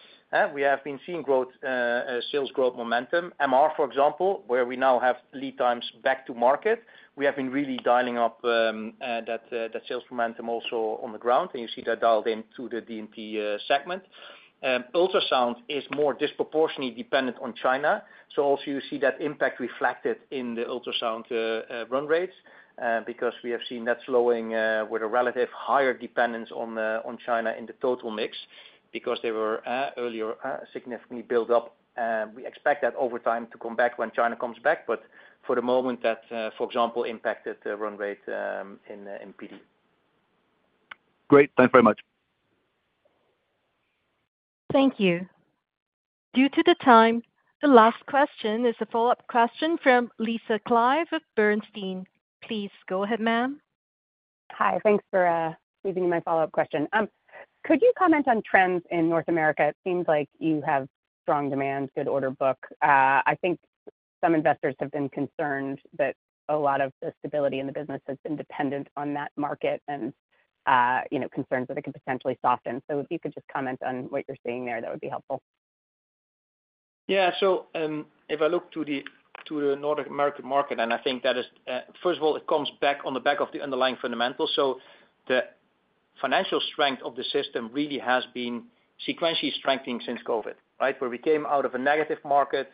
we have been seeing growth, sales growth momentum. MRI, for example, where we now have lead times back to market, we have been really dialing up that sales momentum also on the ground, and you see that dialed into the D&T segment. Ultrasound is more disproportionately dependent on China, so also you see that impact reflected in the Ultrasound run rates because we have seen that slowing with a relative higher dependence on China in the total mix, because they were earlier significantly built up. We expect that over time to come back when China comes back, but for the moment, that for example, impacted the run rates in PD. Great. Thanks very much. Thank you. Due to the time, the last question is a follow-up question from Lisa Clive of Bernstein. Please go ahead, ma'am. Hi, thanks for giving me my follow-up question. Could you comment on trends in North America? It seems like you have strong demand, good order book. I think some investors have been concerned that a lot of the stability in the business has been dependent on that market and, you know, concerns that it could potentially soften. So if you could just comment on what you're seeing there, that would be helpful. Yeah, so if I look to the North American market, and I think that is first of all, it comes back on the back of the underlying fundamentals, so the financial strength of the system really has been sequentially strengthening since COVID, right? Where we came out of a negative market,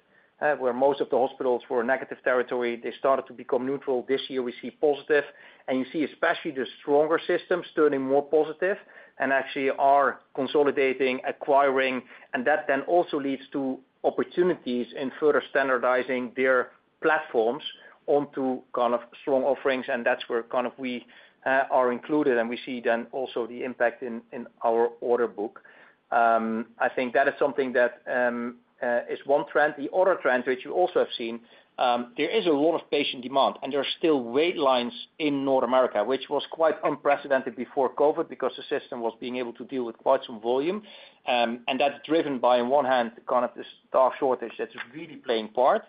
where most of the hospitals were in negative territory, they started to become neutral. This year, we see positive, and you see especially the stronger systems turning more positive and actually are consolidating, acquiring, and that then also leads to opportunities in further standardizing their platforms onto kind of strong offerings, and that's where kind of we are included, and we see then also the impact in our order book. I think that is something that is one trend. The other trend, which you also have seen, there is a lot of patient demand, and there are still wait lists in North America, which was quite unprecedented before COVID because the system was being able to deal with quite some volume. And that's driven by, on one hand, kind of the staff shortage that's really playing part.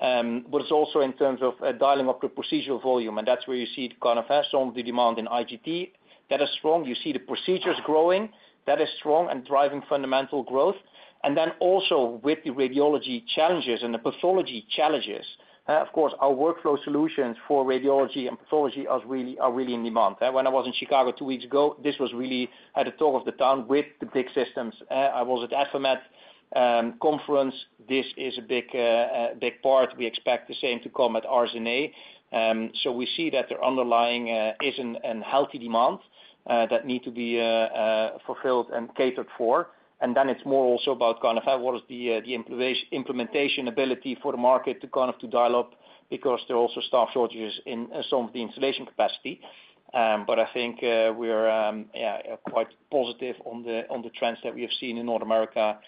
But it's also in terms of, dialing up the procedural volume, and that's where you see it kind of has some of the demand in IGT. That is strong. You see the procedures growing. That is strong and driving fundamental growth. And then also with the radiology challenges and the pathology challenges, of course, our workflow solutions for radiology and pathology are really in demand. When I was in Chicago two weeks ago, this was really at the top of the town with the big systems. I was at AdvaMed conference. This is a big part. We expect the same to come at RSNA. So we see that the underlying is a healthy demand that needs to be fulfilled and catered for. Then it's more also about kind of what is the implementation ability for the market to kind of dial up, because there are also staff shortages in some of the installation capacity. But I think we're yeah quite positive on the trends that we have seen in North America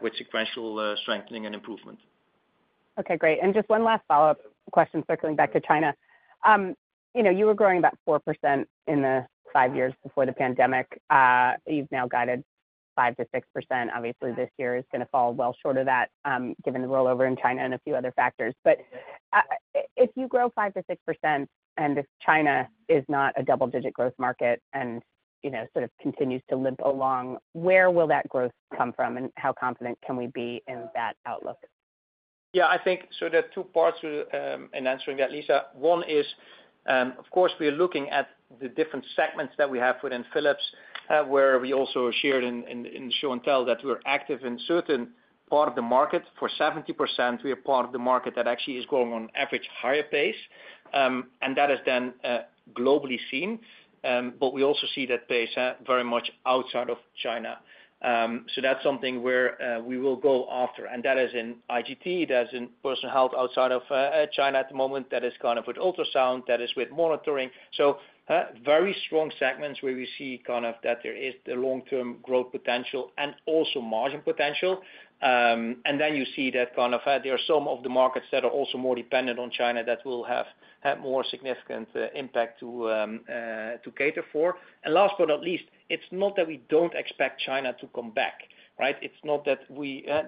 with sequential strengthening and improvement. Okay, great. And just one last follow-up question, circling back to China. You know, you were growing about 4% in the five years before the pandemic. You've now guided 5%-6%. Obviously, this year is gonna fall well short of that, given the rollover in China and a few other factors. But, if you grow 5%-6%, and if China is not a double-digit growth market and, you know, sort of continues to limp along, where will that growth come from, and how confident can we be in that outlook? Yeah, I think. So there are two parts to in answering that, Lisa. One is, of course, we are looking at the different segments that we have within Philips, where we also shared in the show and tell that we're active in certain part of the market. For 70%, we are part of the market that actually is growing on average higher pace, and that is then globally seen. But we also see that pace very much outside of China. So that's something where we will go after, and that is in IGT, that's in Personal Health outside of China at the moment, that is kind of with Ultrasound, that is with Monitoring. So, very strong segments where we see kind of that there is the long-term growth potential and also margin potential. And then you see that kind of there are some of the markets that are also more dependent on China that will have more significant impact to cater for. And last but not least, it's not that we don't expect China to come back, right? It's not that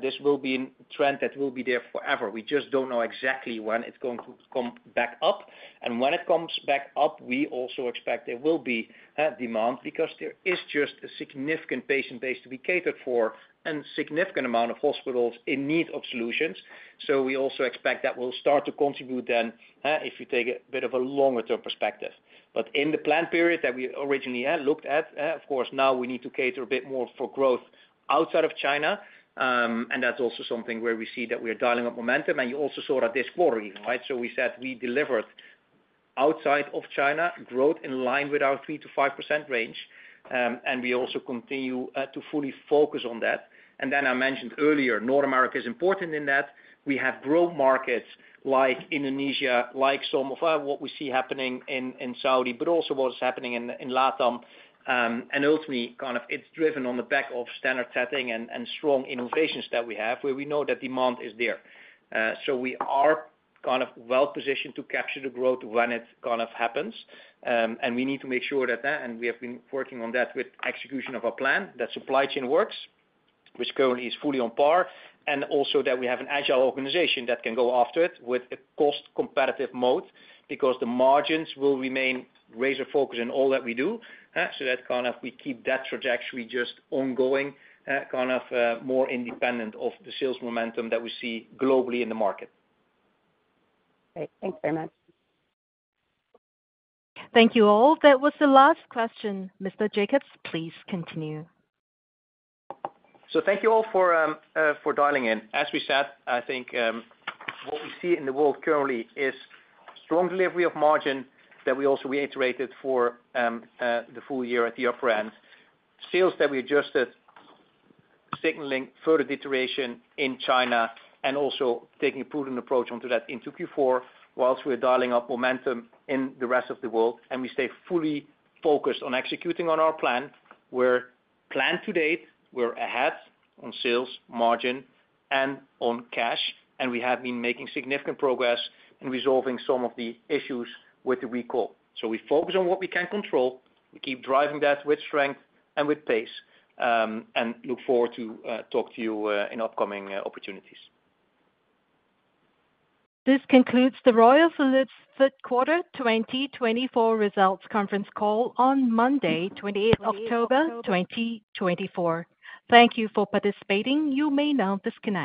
this will be a trend that will be there forever. We just don't know exactly when it's going to come back up. And when it comes back up, we also expect there will be demand, because there is just a significant patient base to be catered for and significant amount of hospitals in need of solutions. So we also expect that will start to contribute then, if you take a bit of a longer-term perspective. But in the plan period that we originally looked at, of course, now we need to cater a bit more for growth outside of China. And that's also something where we see that we are dialing up momentum, and you also saw that this quarter, right? So we said we delivered outside of China growth in line with our 3%-5% range, and we also continue to fully focus on that. And then I mentioned earlier, North America is important in that. We have growth markets like Indonesia, like some of what we see happening in Saudi, but also what is happening in LATAM. And ultimately, kind of it's driven on the back of standard setting and strong innovations that we have, where we know that demand is there. So we are kind of well positioned to capture the growth when it kind of happens, and we need to make sure that, and we have been working on that with execution of our plan, that supply chain works, which currently is fully on par, and also that we have an agile organization that can go after it with a cost-competitive mode, because the margins will remain razor focus in all that we do. So that kind of we keep that trajectory just ongoing, kind of, more independent of the sales momentum that we see globally in the market. Great. Thank you very much. Thank you all. That was the last question. Mr. Jakobs, please continue. So thank you all for dialing in. As we said, I think, what we see in the world currently is strong delivery of margin that we also reiterated for the full year at the upper end. Sales that we adjusted, signaling further deterioration in China, and also taking a prudent approach onto that into Q4, whilst we are dialing up momentum in the rest of the world, and we stay fully focused on executing on our plan, where plan to date, we're ahead on sales, margin, and on cash, and we have been making significant progress in resolving some of the issues with the recall. So we focus on what we can control. We keep driving that with strength and with pace, and look forward to talk to you in upcoming opportunities. This concludes the Royal Philips third quarter 2024 results conference call on Monday, 28th October, 2024. Thank you for participating. You may now disconnect.